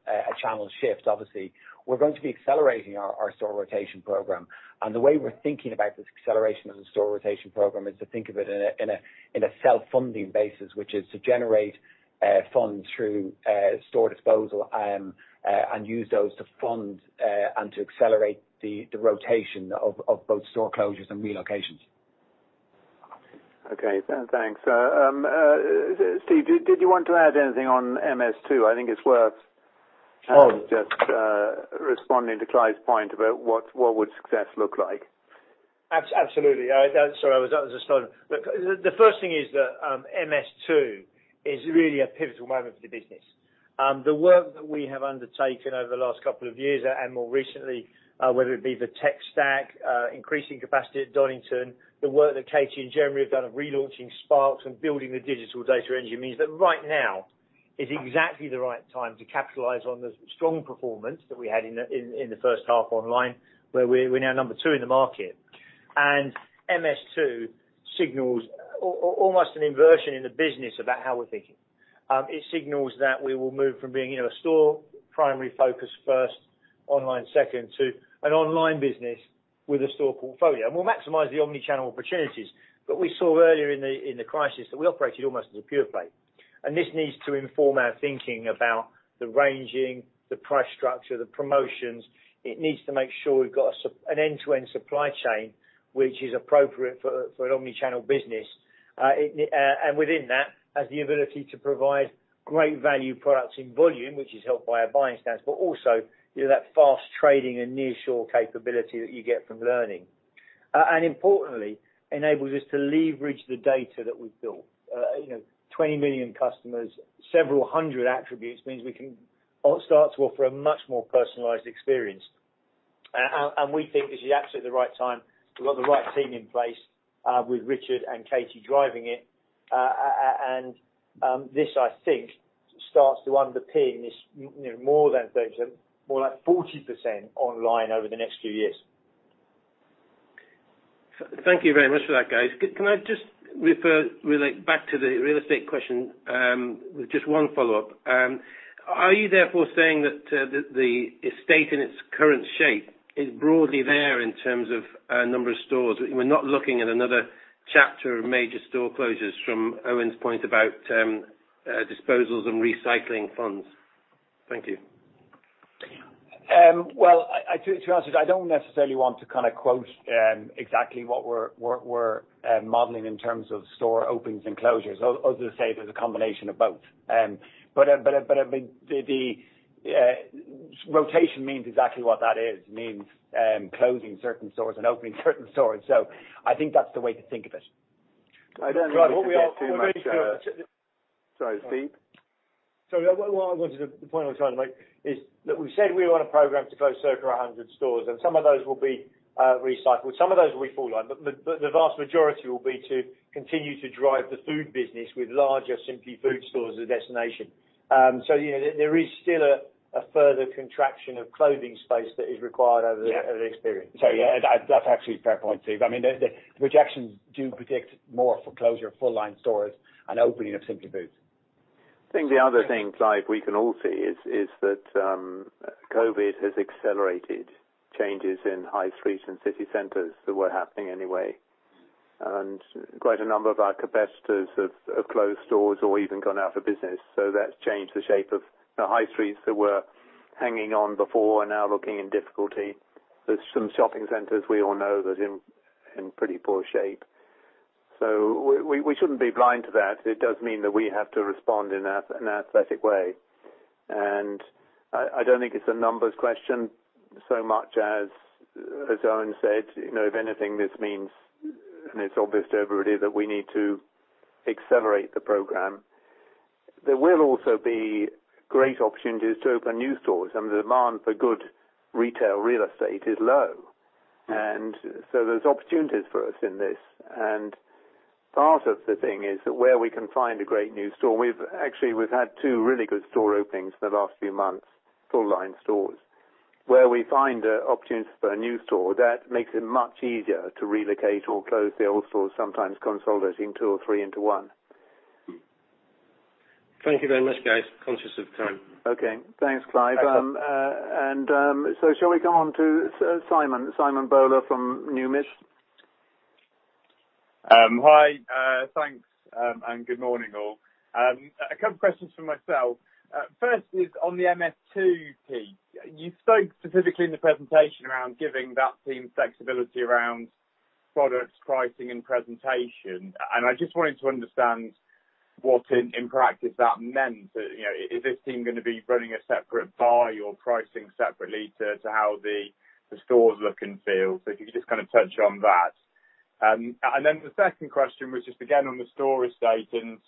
shift, obviously, we're going to be accelerating our store rotation programme. The way we're thinking about this acceleration of the store rotation programme is to think of it in a self-funding basis, which is to generate funds through store disposal and use those to fund and to accelerate the rotation of both store closures and relocations. Okay, thanks. Steve, did you want to add anything on MS2? I think it's worth just responding to Clive's point about what would success look like. Absolutely. Sorry, the first thing is that MS2 is really a pivotal moment for the business. The work that we have undertaken over the last couple of years and more recently, whether it be the tech stack, increasing capacity at Donington, the work that Katie and Jeremy have done of relaunching Sparks and building the digital data engine means that right now is exactly the right time to capitalize on the strong performance that we had in the first half online, where we're now number two in the market. MS2 signals almost an inversion in the business about how we're thinking. It signals that we will move from being a store primary focus first, online second to an online business with a store portfolio. We'll maximize the omni-channel opportunities. We saw earlier in the crisis that we operated almost as a pure play. This needs to inform our thinking about the ranging, the price structure, the promotions. It needs to make sure we've got an end-to-end supply chain which is appropriate for an omni-channel business. Within that, has the ability to provide great value products in volume, which is helped by our buying stance, but also that fast trading and nearshore capability that you get from learning. Importantly, enables us to leverage the data that we've built. 20 million customers, several hundred attributes means we can start to offer a much more personalized experience. We think this is absolutely the right time. We've got the right team in place, with Richard and Katie driving it. This, I think, starts to underpin this more than 30%, more like 40% online over the next few years. Thank you very much for that, guys. Can I just refer relate back to the real estate question with just one follow-up? Are you therefore saying that the estate in its current shape is broadly there in terms of number of stores? We're not looking at another chapter of major store closures from Eoin's point about disposals and recycling funds. Thank you. Well, to be honest with you, I don't necessarily want to quote exactly what we're modeling in terms of store openings and closures. Others say there's a combination of both. The rotation means exactly what that is. Means closing certain stores and opening certain stores. I think that's the way to think of it. I don't think we can get too much- Clive Sorry, Steve. Sorry, the point I was trying to make is that we said we were on a program to close circa 100 stores. Some of those will be recycled. Some of those will be full line. The vast majority will be to continue to drive the food business with larger Simply Food stores as a destination. There is still a further contraction of clothing space that is required over the experience. Sorry, yeah, that's actually a fair point, Steve. The projections do predict more for closure of full line stores and opening of Simply Food. I think the other thing, Clive, we can all see is that COVID has accelerated changes in high streets and city centers that were happening anyway. Quite a number of our competitors have closed stores or even gone out of business. That's changed the shape of the high streets that were hanging on before are now looking in difficulty. There's some shopping centers we all know that are in pretty poor shape. We shouldn't be blind to that. It does mean that we have to respond in an athletic way. I don't think it's a numbers question so much as Eoin said, if anything, this means, and it's obvious to everybody, that we need to accelerate the program. There will also be great opportunities to open new stores, the demand for good retail real estate is low. There's opportunities for us in this. Part of the thing is that where we can find a great new store, actually, we've had two really good store openings in the last few months, full line stores. Where we find opportunities for a new store, that makes it much easier to relocate or close the old stores, sometimes consolidating two or three into one. Thank you very much, guys. Conscious of time. Okay. Thanks, Clive. Shall we come on to Simon Bowler from Numis? Hi, thanks, and good morning, all. A couple questions from myself. First is on the MS2 piece. You spoke specifically in the presentation around giving that team flexibility around products, pricing, and presentation, and I just wanted to understand what in practice that meant. Is this team going to be running a separate buy or pricing separately to how the stores look and feel? If you could just touch on that. The second question was just, again, on the store estate and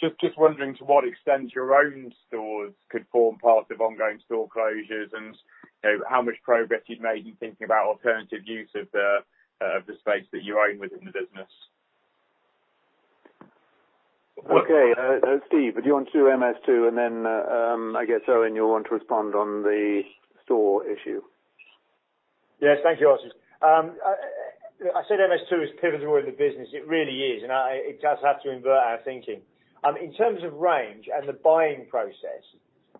just wondering to what extent your own stores could form part of ongoing store closures and how much progress you'd made in thinking about alternative use of the space that you own within the business. Okay. Steve, do you want to do MS2, and then I guess, Eoin, you'll want to respond on the store issue. Yes. Thank you, Austin. I said MS2 is pivotal in the business. It really is, and it does have to invert our thinking. In terms of range and the buying process,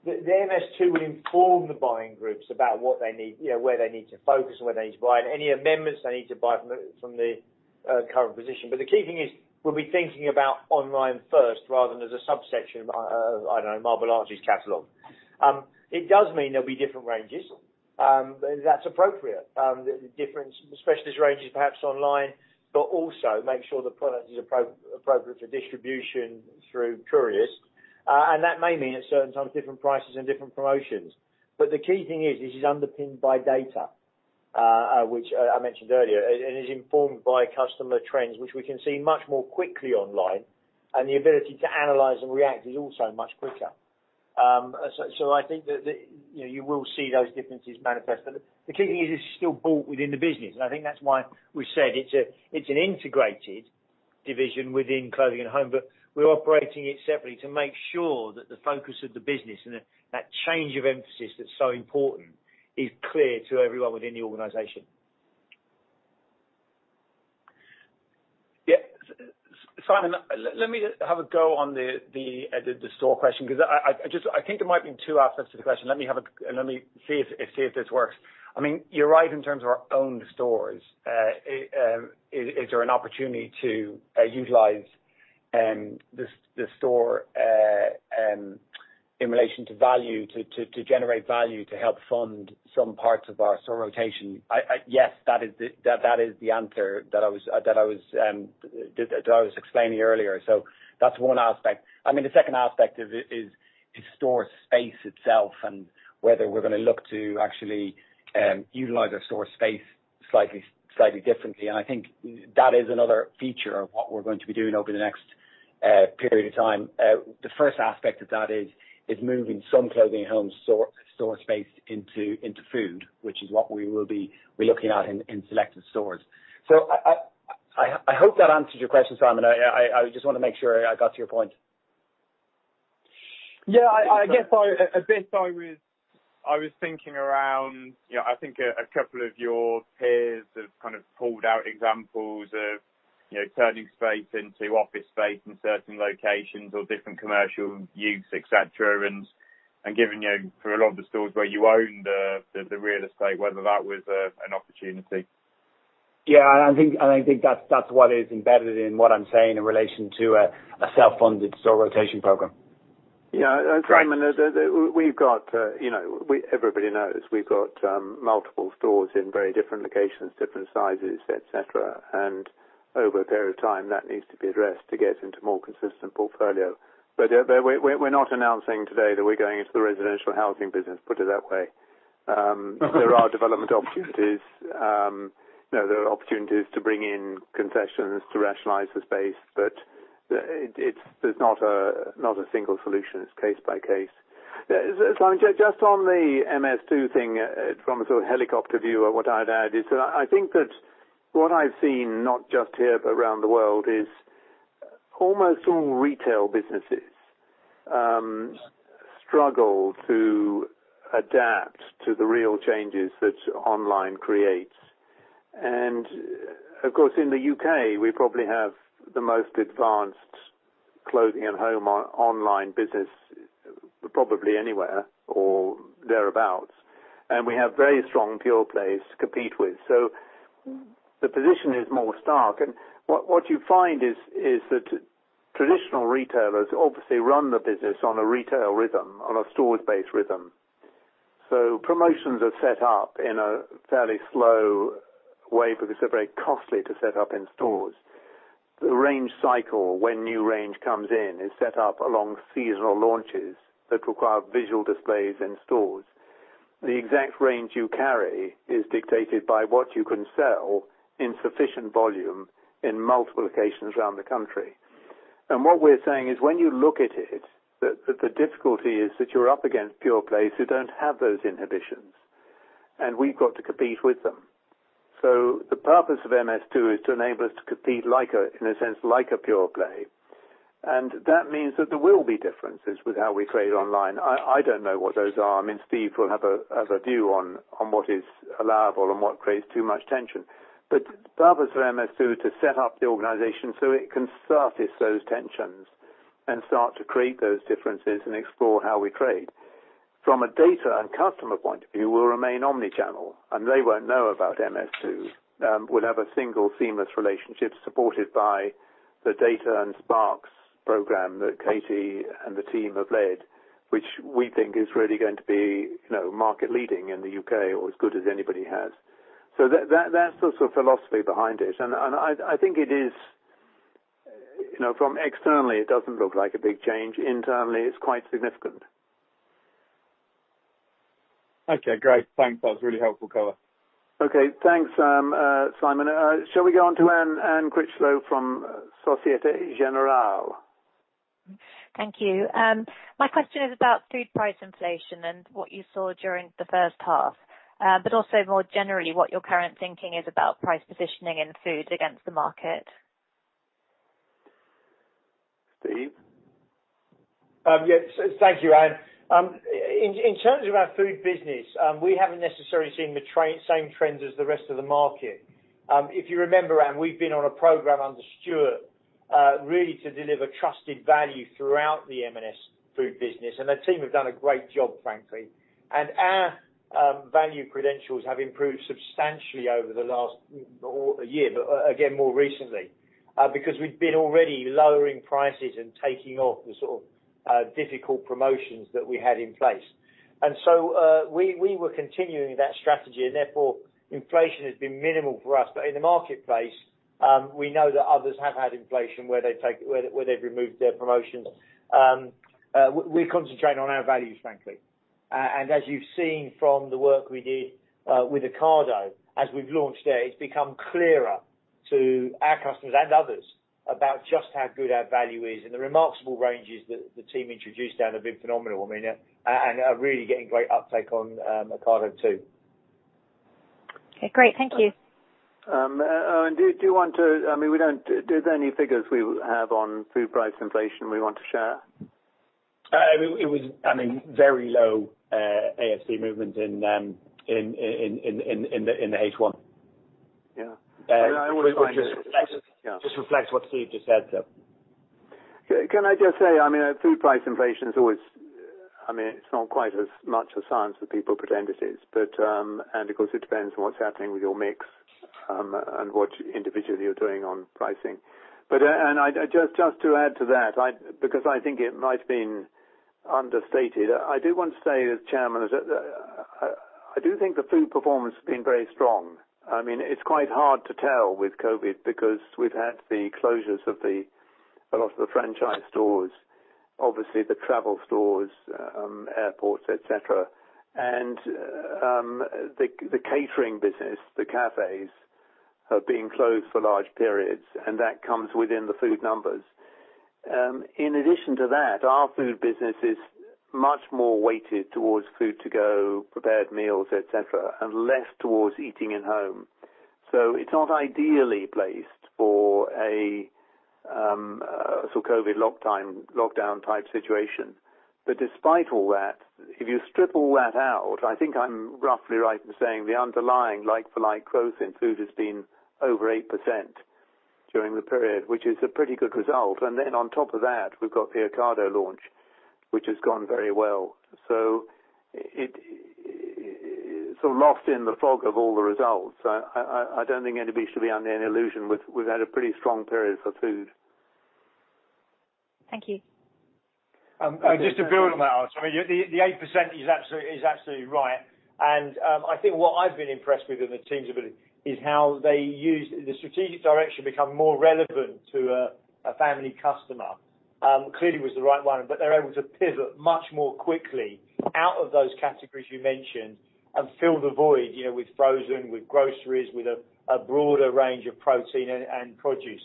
the MS2 will inform the buying groups about what they need, where they need to focus and where they need to buy and any amendments they need to buy from the current position. The key thing is we'll be thinking about online first rather than as a subsection of, I don't know, Marble Arch's catalog. It does mean there'll be different ranges. That's appropriate. The different specialist ranges perhaps online, but also make sure the product is appropriate for distribution through couriers. That may mean at certain times, different prices and different promotions. The key thing is this is underpinned by data, which I mentioned earlier, and is informed by customer trends, which we can see much more quickly online, and the ability to analyze and react is also much quicker. I think that you will see those differences manifest. The key thing is it's still bought within the business, and I think that's why we said it's an integrated division within Clothing & Home, but we're operating it separately to make sure that the focus of the business and that change of emphasis that's so important is clear to everyone within the organization. Yes, Simon, let me have a go on the store question. There might have been two aspects to the question. Let me see if this works. You're right in terms of our own stores. Is there an opportunity to utilize the store in relation to value, to generate value to help fund some parts of our store rotation? Yes, that is the answer that I was explaining earlier. That's one aspect. The second aspect is store space itself and whether we're going to look to actually utilize our store space slightly differently. That is another feature of what we're going to be doing over the next period of time. The first aspect of that is moving some Clothing & Home store space into food, which is what we will be looking at in selected stores. I hope that answers your question, Simon. I just want to make sure I got to your point. Yeah, I guess a bit I was thinking around, I think a couple of your peers have pulled out examples of turning space into office space in certain locations or different commercial use, et cetera, and giving you for a lot of the stores where you own the real estate, whether that was an opportunity. Yeah, I think that's what is embedded in what I'm saying in relation to a self-funded store rotation programme. Yeah. Simon, everybody knows we've got multiple stores in very different locations, different sizes, et cetera. Over a period of time, that needs to be addressed to get into more consistent portfolio. We're not announcing today that we're going into the residential housing business, put it that way. There are development opportunities. There are opportunities to bring in concessions to rationalize the space, but there's not a single solution. It's case by case. Simon, just on the MS2 thing, from a sort of helicopter view of what I'd add is that I think that what I've seen, not just here but around the world, is almost all retail businesses struggle to adapt to the real changes that online creates. Of course, in the U.K., we probably have the most advanced Clothing & Home online business probably anywhere or thereabout. We have very strong pure plays to compete with. The position is more stark. What you find is that traditional retailers obviously run the business on a retail rhythm, on a stores-based rhythm. Promotions are set up in a fairly slow way because they're very costly to set up in stores. The range cycle, when new range comes in, is set up along seasonal launches that require visual displays in stores. The exact range you carry is dictated by what you can sell in sufficient volume in multiple locations around the country. What we're saying is, when you look at it, that the difficulty is that you're up against pure plays who don't have those inhibitions, and we've got to compete with them. The purpose of MS2 is to enable us to compete, in a sense, like a pure play, and that means that there will be differences with how we trade online. I don't know what those are. Steve will have a view on what is allowable and what creates too much tension. The purpose of MS2 to set up the organization so it can surface those tensions and start to create those differences and explore how we trade. From a data and customer point of view, we'll remain omnichannel, and they won't know about MS2. We'll have a single seamless relationship supported by the data and Sparks program that Katie and the team have led, which we think is really going to be market leading in the U.K. or as good as anybody has. That's the sort of philosophy behind it. I think from externally, it doesn't look like a big change. Internally, it's quite significant. Okay, great. Thanks. That was a really helpful cover. Okay, thanks, Simon. Shall we go on to Anne Critchlow from Societe Generale? Thank you. My question is about food price inflation and what you saw during the first half, also more generally, what your current thinking is about price positioning in food against the market. Steve? Yes. Thank you, Anne. In terms of our food business, we haven't necessarily seen the same trends as the rest of the market. If you remember, Anne, we've been on a program under Stuart, really to deliver trusted value throughout the M&S Food business. The team have done a great job, frankly. Our value credentials have improved substantially over the last year, again, more recently, because we've been already lowering prices and taking off the sort of difficult promotions that we had in place. We were continuing that strategy, and therefore inflation has been minimal for us. In the marketplace, we know that others have had inflation where they've removed their promotions. We concentrate on our values, frankly. As you've seen from the work we did with Ocado, as we've launched it's become clearer to our customers and others about just how good our value is. The remarkable ranges that the team introduced down have been phenomenal and are really getting great uptake on Ocado, too. Okay, great. Thank you. Anne, are there any figures we have on food price inflation we want to share? It was very low ASP movement in the H1. Yeah. It just reflects what Steve just said. Can I just say, food price inflation is always not quite as much a science that people pretend it is. Of course, it depends on what's happening with your mix and what individually you're doing on pricing. Just to add to that, because I think it might have been understated, I do want to say as Chairman, I do think the food performance has been very strong. It's quite hard to tell with COVID because we've had the closures of a lot of the franchise stores, obviously the travel stores, airports, et cetera, and the catering business, the cafes, have been closed for large periods. That comes within the food numbers. In addition to that, our Food business is much more weighted towards food to go, prepared meals, et cetera. Less towards eating at home. It's not ideally placed for a sort of COVID lockdown type situation. Despite all that, if you strip all that out, I think I'm roughly right in saying the underlying like-for-like growth in food has been over 8% during the period, which is a pretty good result. Then on top of that, we've got the Ocado launch, which has gone very well. Lost in the fog of all the results, I don't think anybody should be under any illusion. We've had a pretty strong period for Food. Thank you. Just to build on that, the 8% is absolutely right. I think what I've been impressed with in the team's ability is how they use the strategic direction become more relevant to a family customer. Clearly was the right one, but they're able to pivot much more quickly out of those categories you mentioned and fill the void with frozen, with groceries, with a broader range of protein and produce.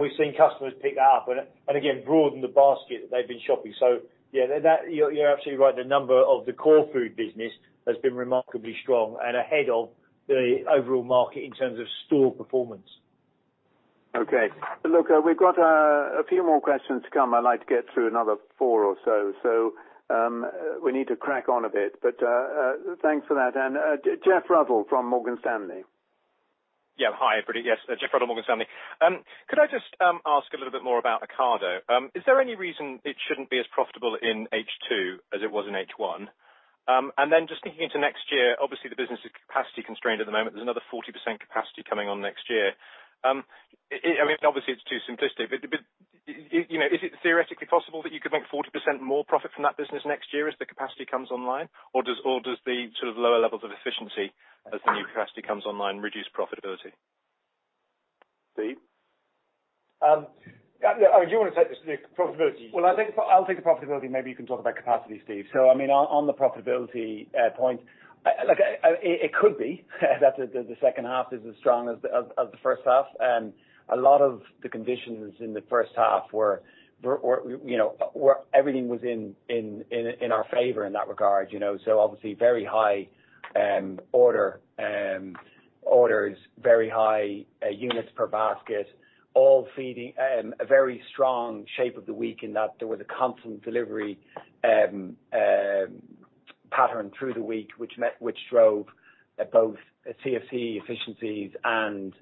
We've seen customers pick that up and again, broaden the basket that they've been shopping. Yeah, you're absolutely right. The number of the core food business has been remarkably strong and ahead of the overall market in terms of store performance. Okay. Look, we've got a few more questions to come. I'd like to get through another four or so. We need to crack on a bit. Thanks for that. Geoff Ruddell from Morgan Stanley. Yeah. Hi, everybody. Yes, Geoff Ruddell, Morgan Stanley. Could I just ask a little bit more about Ocado? Is there any reason it shouldn't be as profitable in H2 as it was in H1? Just thinking into next year, obviously the business is capacity constrained at the moment. There's another 40% capacity coming on next year. Obviously it's too simplistic, but is it theoretically possible that you could make 40% more profit from that business next year as the capacity comes online? Does the sort of lower levels of efficiency as the new capacity comes online reduce profitability? Steve? Do you want to take this, Eoin? Profitability. I'll take the profitability, maybe you can talk about capacity, Steve. On the profitability point, it could be that the second half is as strong as the first half. A lot of the conditions in the first half were everything was in our favor in that regard. Obviously, very high orders, very high units per basket, a very strong shape of the week in that there was a constant delivery pattern through the week, which drove both CFC efficiencies and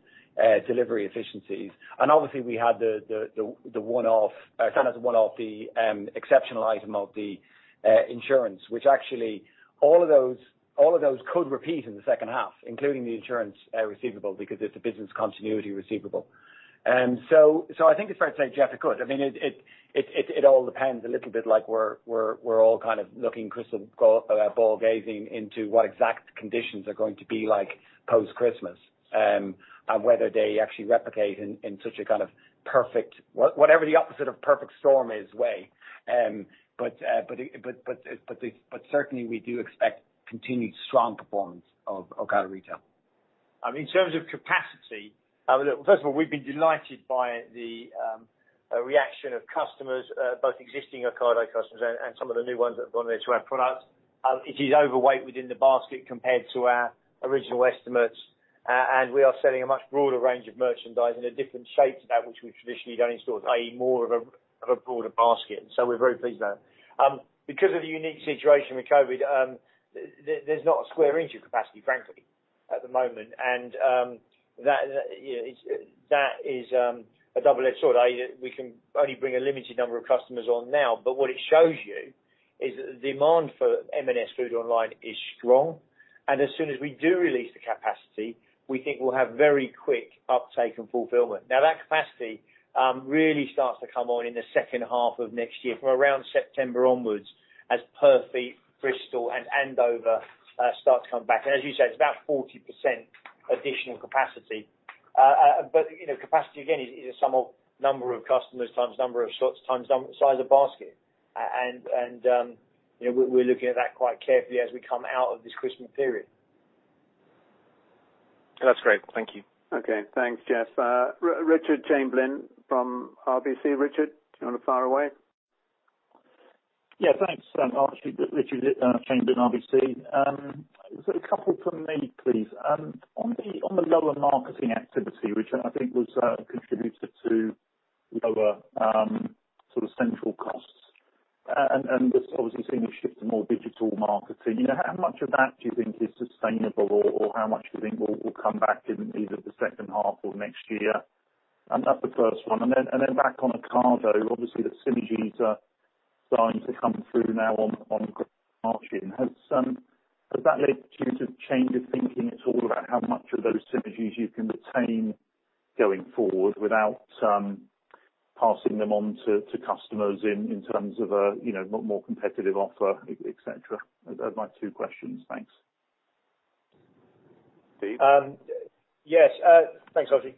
delivery efficiencies. Obviously, we had the one-off, the exceptional item of the insurance, which actually all of those could repeat in the second half, including the insurance receivable, because it's a business continuity receivable. I think it's fair to say, Geoff, it could. It all depends a little bit like we're all kind of looking crystal ball gazing into what exact conditions are going to be like post-Christmas, and whether they actually replicate in such a kind of perfect, whatever the opposite of perfect storm is, way. Certainly, we do expect continued strong performance of Ocado Retail. In terms of capacity, first of all, we've been delighted by the reaction of customers, both existing Ocado customers and some of the new ones that have gone there to our products. It is overweight within the basket compared to our original estimates. We are selling a much broader range of merchandise in a different shape to that which we've traditionally done in stores, i.e., more of a broader basket. We're very pleased with that. Because of the unique situation with COVID, there's not a square inch of capacity, frankly, at the moment. That is a double-edged sword. We can only bring a limited number of customers on now, but what it shows you is that the demand for M&S Food online is strong, and as soon as we do release the capacity, we think we'll have very quick uptake and fulfillment. Now, that capacity really starts to come on in the second half of next year from around September onwards as Purfleet, Bristol, and Andover start to come back. As you said, it's about 40% additional capacity. Capacity, again, is a sum of number of customers times number of slots times size of basket. We're looking at that quite carefully as we come out of this Christmas period. That's great. Thank you. Okay, thanks, Geoff. Richard Chamberlain from RBC. Richard, do you want to fire away? Yeah, thanks. Archie, Richard Chamberlain, RBC. A couple from me, please. On the lower marketing activity, which I think was a contributor to lower sort of central costs, just obviously seeing a shift to more digital marketing, how much of that do you think is sustainable or how much do you think will come back in either the second half or next year? That's the first one. Back on Ocado, obviously the synergies are starting to come through now on the margin. Has that led you to change your thinking at all about how much of those synergies you can retain going forward without passing them on to customers in terms of a more competitive offer, et cetera? Those are my two questions. Thanks. Steve? Yes. Thanks, Archie.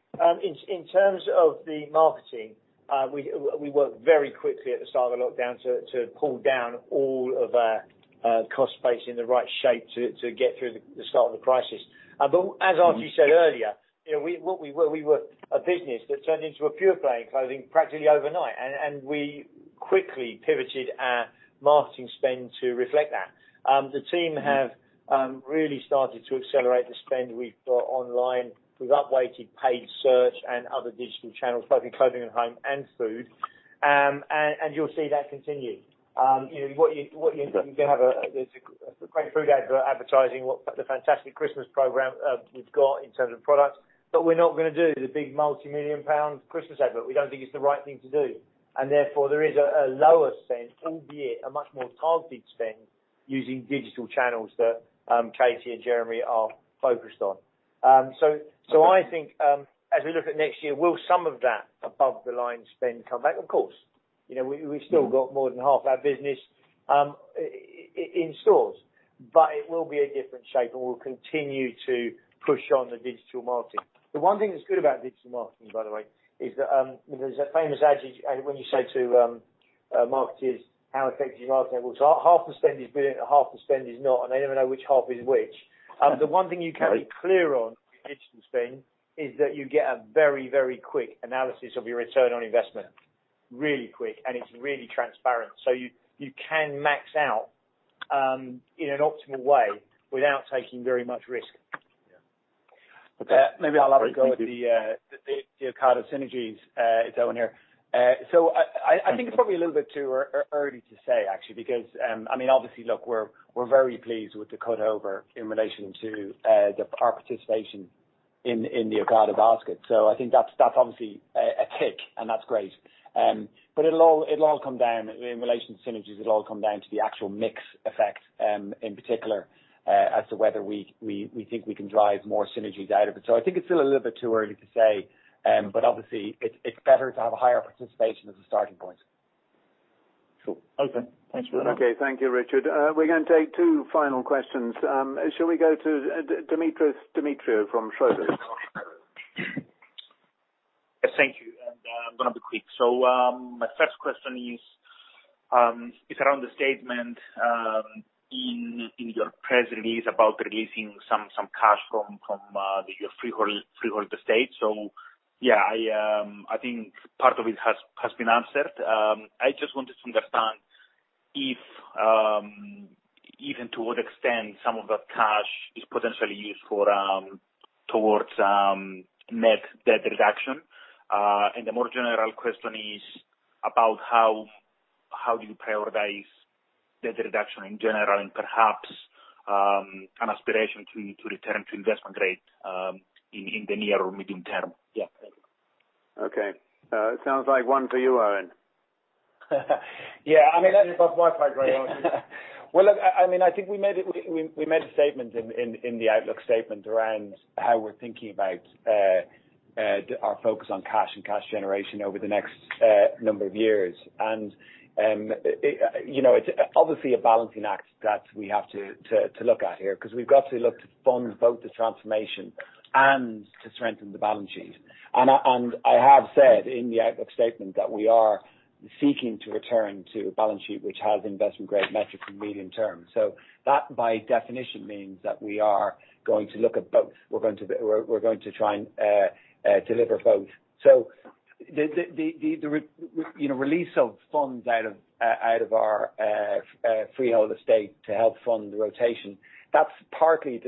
In terms of the marketing, we worked very quickly at the start of the lockdown to pull down all of our cost base in the right shape to get through the start of the crisis. As Archie said earlier, we were a business that turned into a pure play in clothing practically overnight, and we quickly pivoted our marketing spend to reflect that. The team have really started to accelerate the spend we've got online. We've upweighted paid search and other digital channels, both in Clothing & Home and Food. You'll see that continue. You're going to have a great food advert advertising the fantastic Christmas program we've got in terms of products, we're not going to do the big multi-million pound Christmas advert. We don't think it's the right thing to do. Therefore, there is a lower spend all year, a much more targeted spend using digital channels that Katie and Jeremy are focused on. I think as we look at next year, will some of that above-the-line spend come back? Of course. We've still got more than half our business in stores. It will be a different shape, we'll continue to push on the digital marketing. The one thing that's good about digital marketing, by the way, is that there's a famous adage when you say to marketers, how effective is your marketing? Half the spend is brilliant, half the spend is not, they never know which half is which. The one thing you can be clear on with digital spend is that you get a very, very quick analysis of your return on investment. Really quick, it's really transparent. You can max out in an optimal way without taking very much risk. Yeah. Okay. Maybe I'll have a go at the Ocado synergies. It's Eoin here. I think it's probably a little bit too early to say, actually, because obviously, look, we're very pleased with the cutover in relation to our participation in the Ocado basket. I think that's obviously a tick, and that's great. In relation to synergies, it'll all come down to the actual mix effect, in particular, as to whether we think we can drive more synergies out of it. I think it's still a little bit too early to say, but obviously, it's better to have a higher participation as a starting point. Cool. Okay. Thanks very much. Okay. Thank you, Richard. We're going to take two final questions. Shall we go to Demetris Demetriou from Schroders? Yes, thank you. I'm going to be quick. My first question is around the statement in your press release about releasing some cash from your freehold estate. I think part of it has been answered. I just wanted to understand if, even to what extent, some of that cash is potentially used towards net debt reduction. The more general question is about how do you prioritize debt reduction in general and perhaps an aspiration to return to investment grade in the near or medium term? Thank you. Okay. It sounds like one for you, Eoin. Yeah. You lost wifi, great Eoin. Well, look, I think we made a statement in the outlook statement around how we're thinking about our focus on cash and cash generation over the next number of years. It's obviously a balancing act that we have to look at here because we've got to look to fund both the transformation and to strengthen the balance sheet. I have said in the outlook statement that we are seeking to return to a balance sheet which has investment-grade metrics in medium term. That, by definition, means that we are going to look at both. We're going to try and deliver both. The release of funds out of our freehold estate to help fund the rotation, that's partly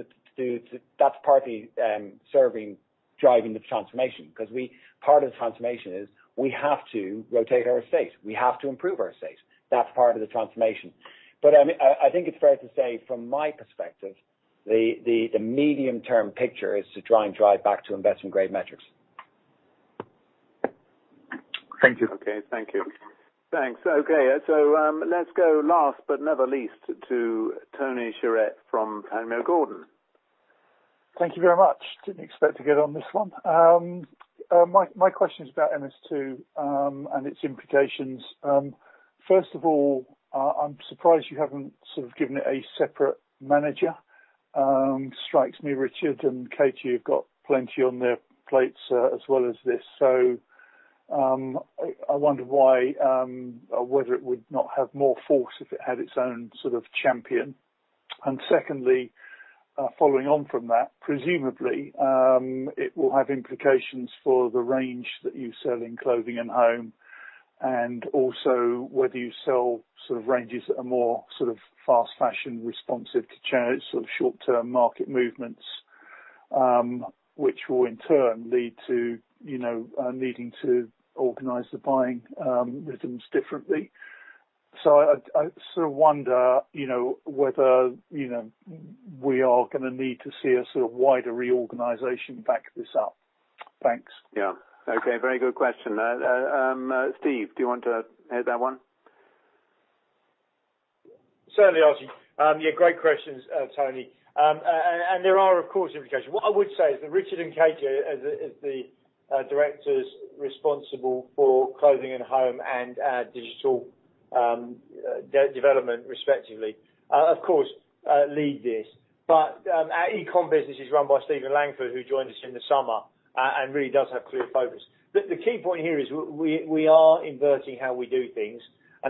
serving driving the transformation because part of the transformation is we have to rotate our estate. We have to improve our estate. That's part of the transformation. I think it's fair to say, from my perspective, the medium-term picture is to try and drive back to investment-grade metrics. Thank you. Okay. Thank you. Thanks. Okay, let's go last but never least to Tony Shiret from Panmure Gordon. Thank you very much. Didn't expect to get on this one. My question is about MS2 and its implications. First of all, I'm surprised you haven't sort of given it a separate manager. Strikes me, Richard and Katie have got plenty on their plates as well as this, so I wonder why or whether it would not have more force if it had its own sort of champion. Secondly, following on from that, presumably, it will have implications for the range that you sell in Clothing & Home, and also whether you sell sort of ranges that are more sort of fast fashion responsive to change, sort of short-term market movements, which will in turn lead to needing to organize the buying rhythms differently. I sort of wonder whether we are going to need to see a sort of wider reorganization back this up. Thanks. Yeah. Okay. Very good question. Steve, do you want to head that one? Certainly, Archie. Yeah, great questions, Tony. There are, of course, implications. What I would say is that Richard and Katie, as the directors responsible for Clothing & Home and digital development respectively, of course, lead this. Our e-com business is run by Stephen Langford, who joined us in the summer and really does have clear focus. The key point here is we are inverting how we do things,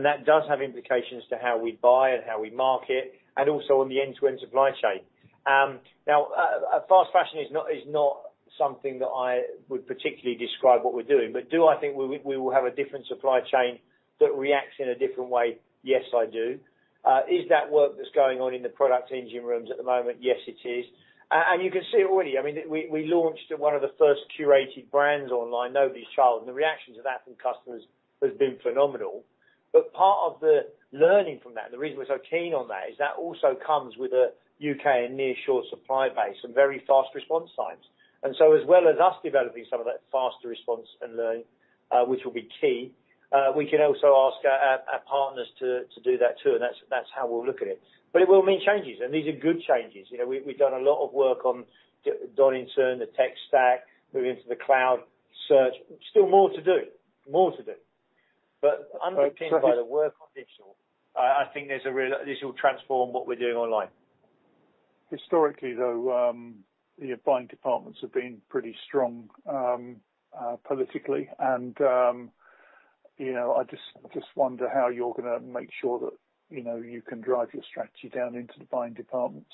that does have implications to how we buy and how we market and also on the end-to-end supply chain. Now, fast fashion is not something that I would particularly describe what we're doing. Do I think we will have a different supply chain that reacts in a different way? Yes, I do. Is that work that's going on in the product engine rooms at the moment? Yes, it is. You can see it already. We launched one of the first curated brands online, Nobody's Child. The reactions of that from customers has been phenomenal. Part of the learning from that, and the reason we're so keen on that, is that also comes with a U.K. and near-shore supply base and very fast response times. As well as us developing some of that faster response and learning, which will be key, we can also ask our partners to do that, too. That's how we'll look at it. It will mean changes. These are good changes. We've done a lot of work on Donington in turn, the tech stack, moving to the cloud search. Still more to do. I'm convinced by the word conditional. I think this will transform what we're doing online. Historically, though, the buying departments have been pretty strong politically. I just wonder how you're going to make sure that you can drive your strategy down into the buying departments.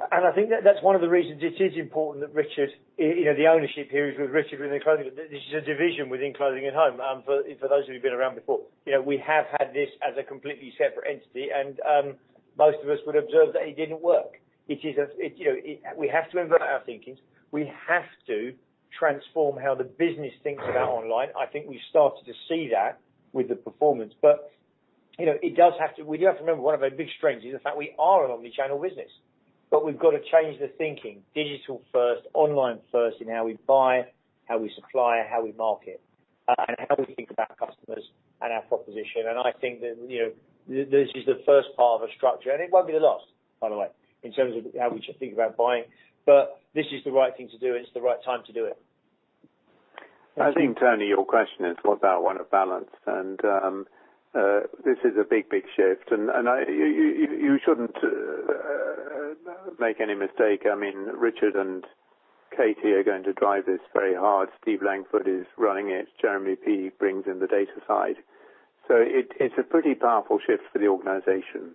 I think that's one of the reasons it is important that Richard, the ownership here is with Richard within Clothing. This is a division within Clothing & Home, for those of you who've been around before. We have had this as a completely separate entity, and most of us would observe that it didn't work. We have to invert our thinking. We have to transform how the business thinks about online. I think we've started to see that with the performance. We do have to remember one of our big strengths is the fact we are an omnichannel business. We've got to change the thinking, digital first, online first, in how we buy, how we supply, how we market, and how we think about customers and our proposition. I think that this is the first part of a structure, and it won't be the last, by the way, in terms of how we should think about buying. This is the right thing to do, and it's the right time to do it. I think, Tony, your question is about want of balance. This is a big, big shift. You shouldn't make any mistake. Richard and Katie are going to drive this very hard. Stephen Langford is running it. Jeremy Pee brings in the data side. It's a pretty powerful shift for the organization.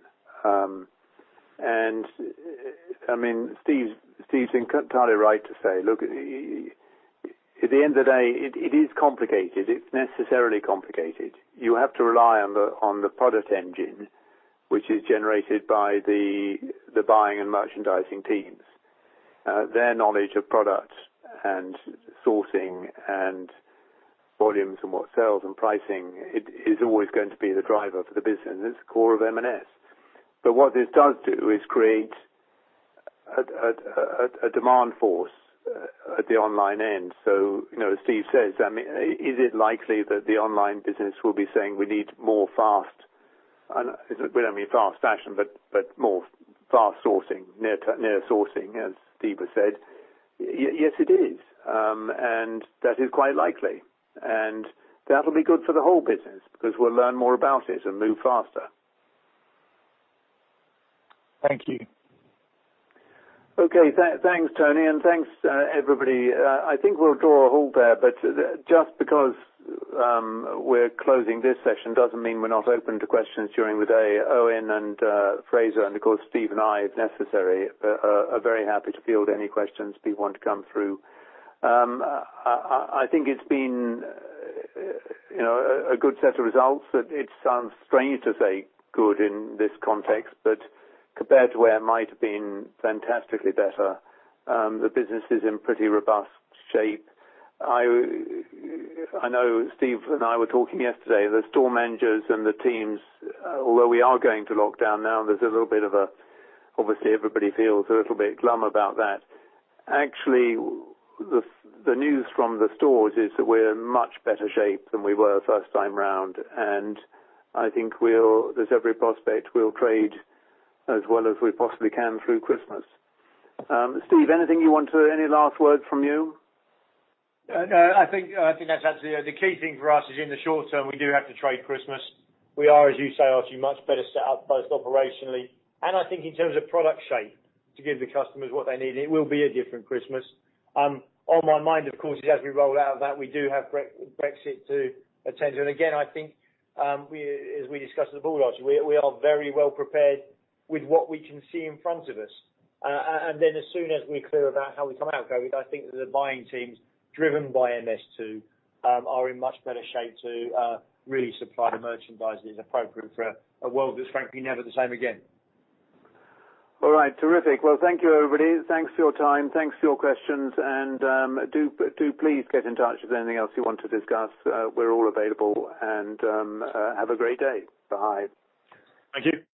Steve's entirely right to say, look, at the end of the day, it is complicated. It's necessarily complicated. You have to rely on the product engine, which is generated by the buying and merchandising teams. Their knowledge of product and sourcing and volumes and what sells and pricing is always going to be the driver for the business, and it's the core of M&S. What this does do is create a demand force at the online end. As Steve says, is it likely that the online business will be saying, We don't mean fast fashion, but more fast sourcing, near sourcing, as Steve has said. Yes, it is. That is quite likely. That'll be good for the whole business because we'll learn more about it and move faster. Thank you. Okay. Thanks, Tony. Thanks, everybody. I think we'll draw a halt there. Just because we're closing this session doesn't mean we're not open to questions during the day. Eoin and Fraser, and of course, Steve and I, if necessary, are very happy to field any questions people want to come through. I think it's been a good set of results. It sounds strange to say good in this context, but compared to where it might have been, fantastically better. The business is in pretty robust shape. I know Steve and I were talking yesterday. The store managers and the teams, although we are going to lock down now, obviously, everybody feels a little bit glum about that. Actually, the news from the stores is that we're in much better shape than we were first time around. I think there's every prospect we'll trade as well as we possibly can through Christmas. Steve, anything you want to, any last word from you? No. I think that's absolutely it. The key thing for us is in the short term, we do have to trade Christmas. We are, as you say, Archie, much better set up both operationally, and I think in terms of product shape to give the customers what they need. It will be a different Christmas. On my mind, of course, is as we roll out of that, we do have Brexit to attend to. Again, I think, as we discussed at the board launch, we are very well prepared with what we can see in front of us. As soon as we're clear about how we come out, Gary, I think the buying teams driven by MS2 are in much better shape to really supply the merchandise that is appropriate for a world that's frankly Never the Same Again. All right. Terrific. Well, thank you, everybody. Thanks for your time. Thanks for your questions. Do please get in touch with anything else you want to discuss. We're all available. Have a great day. Bye. Thank you.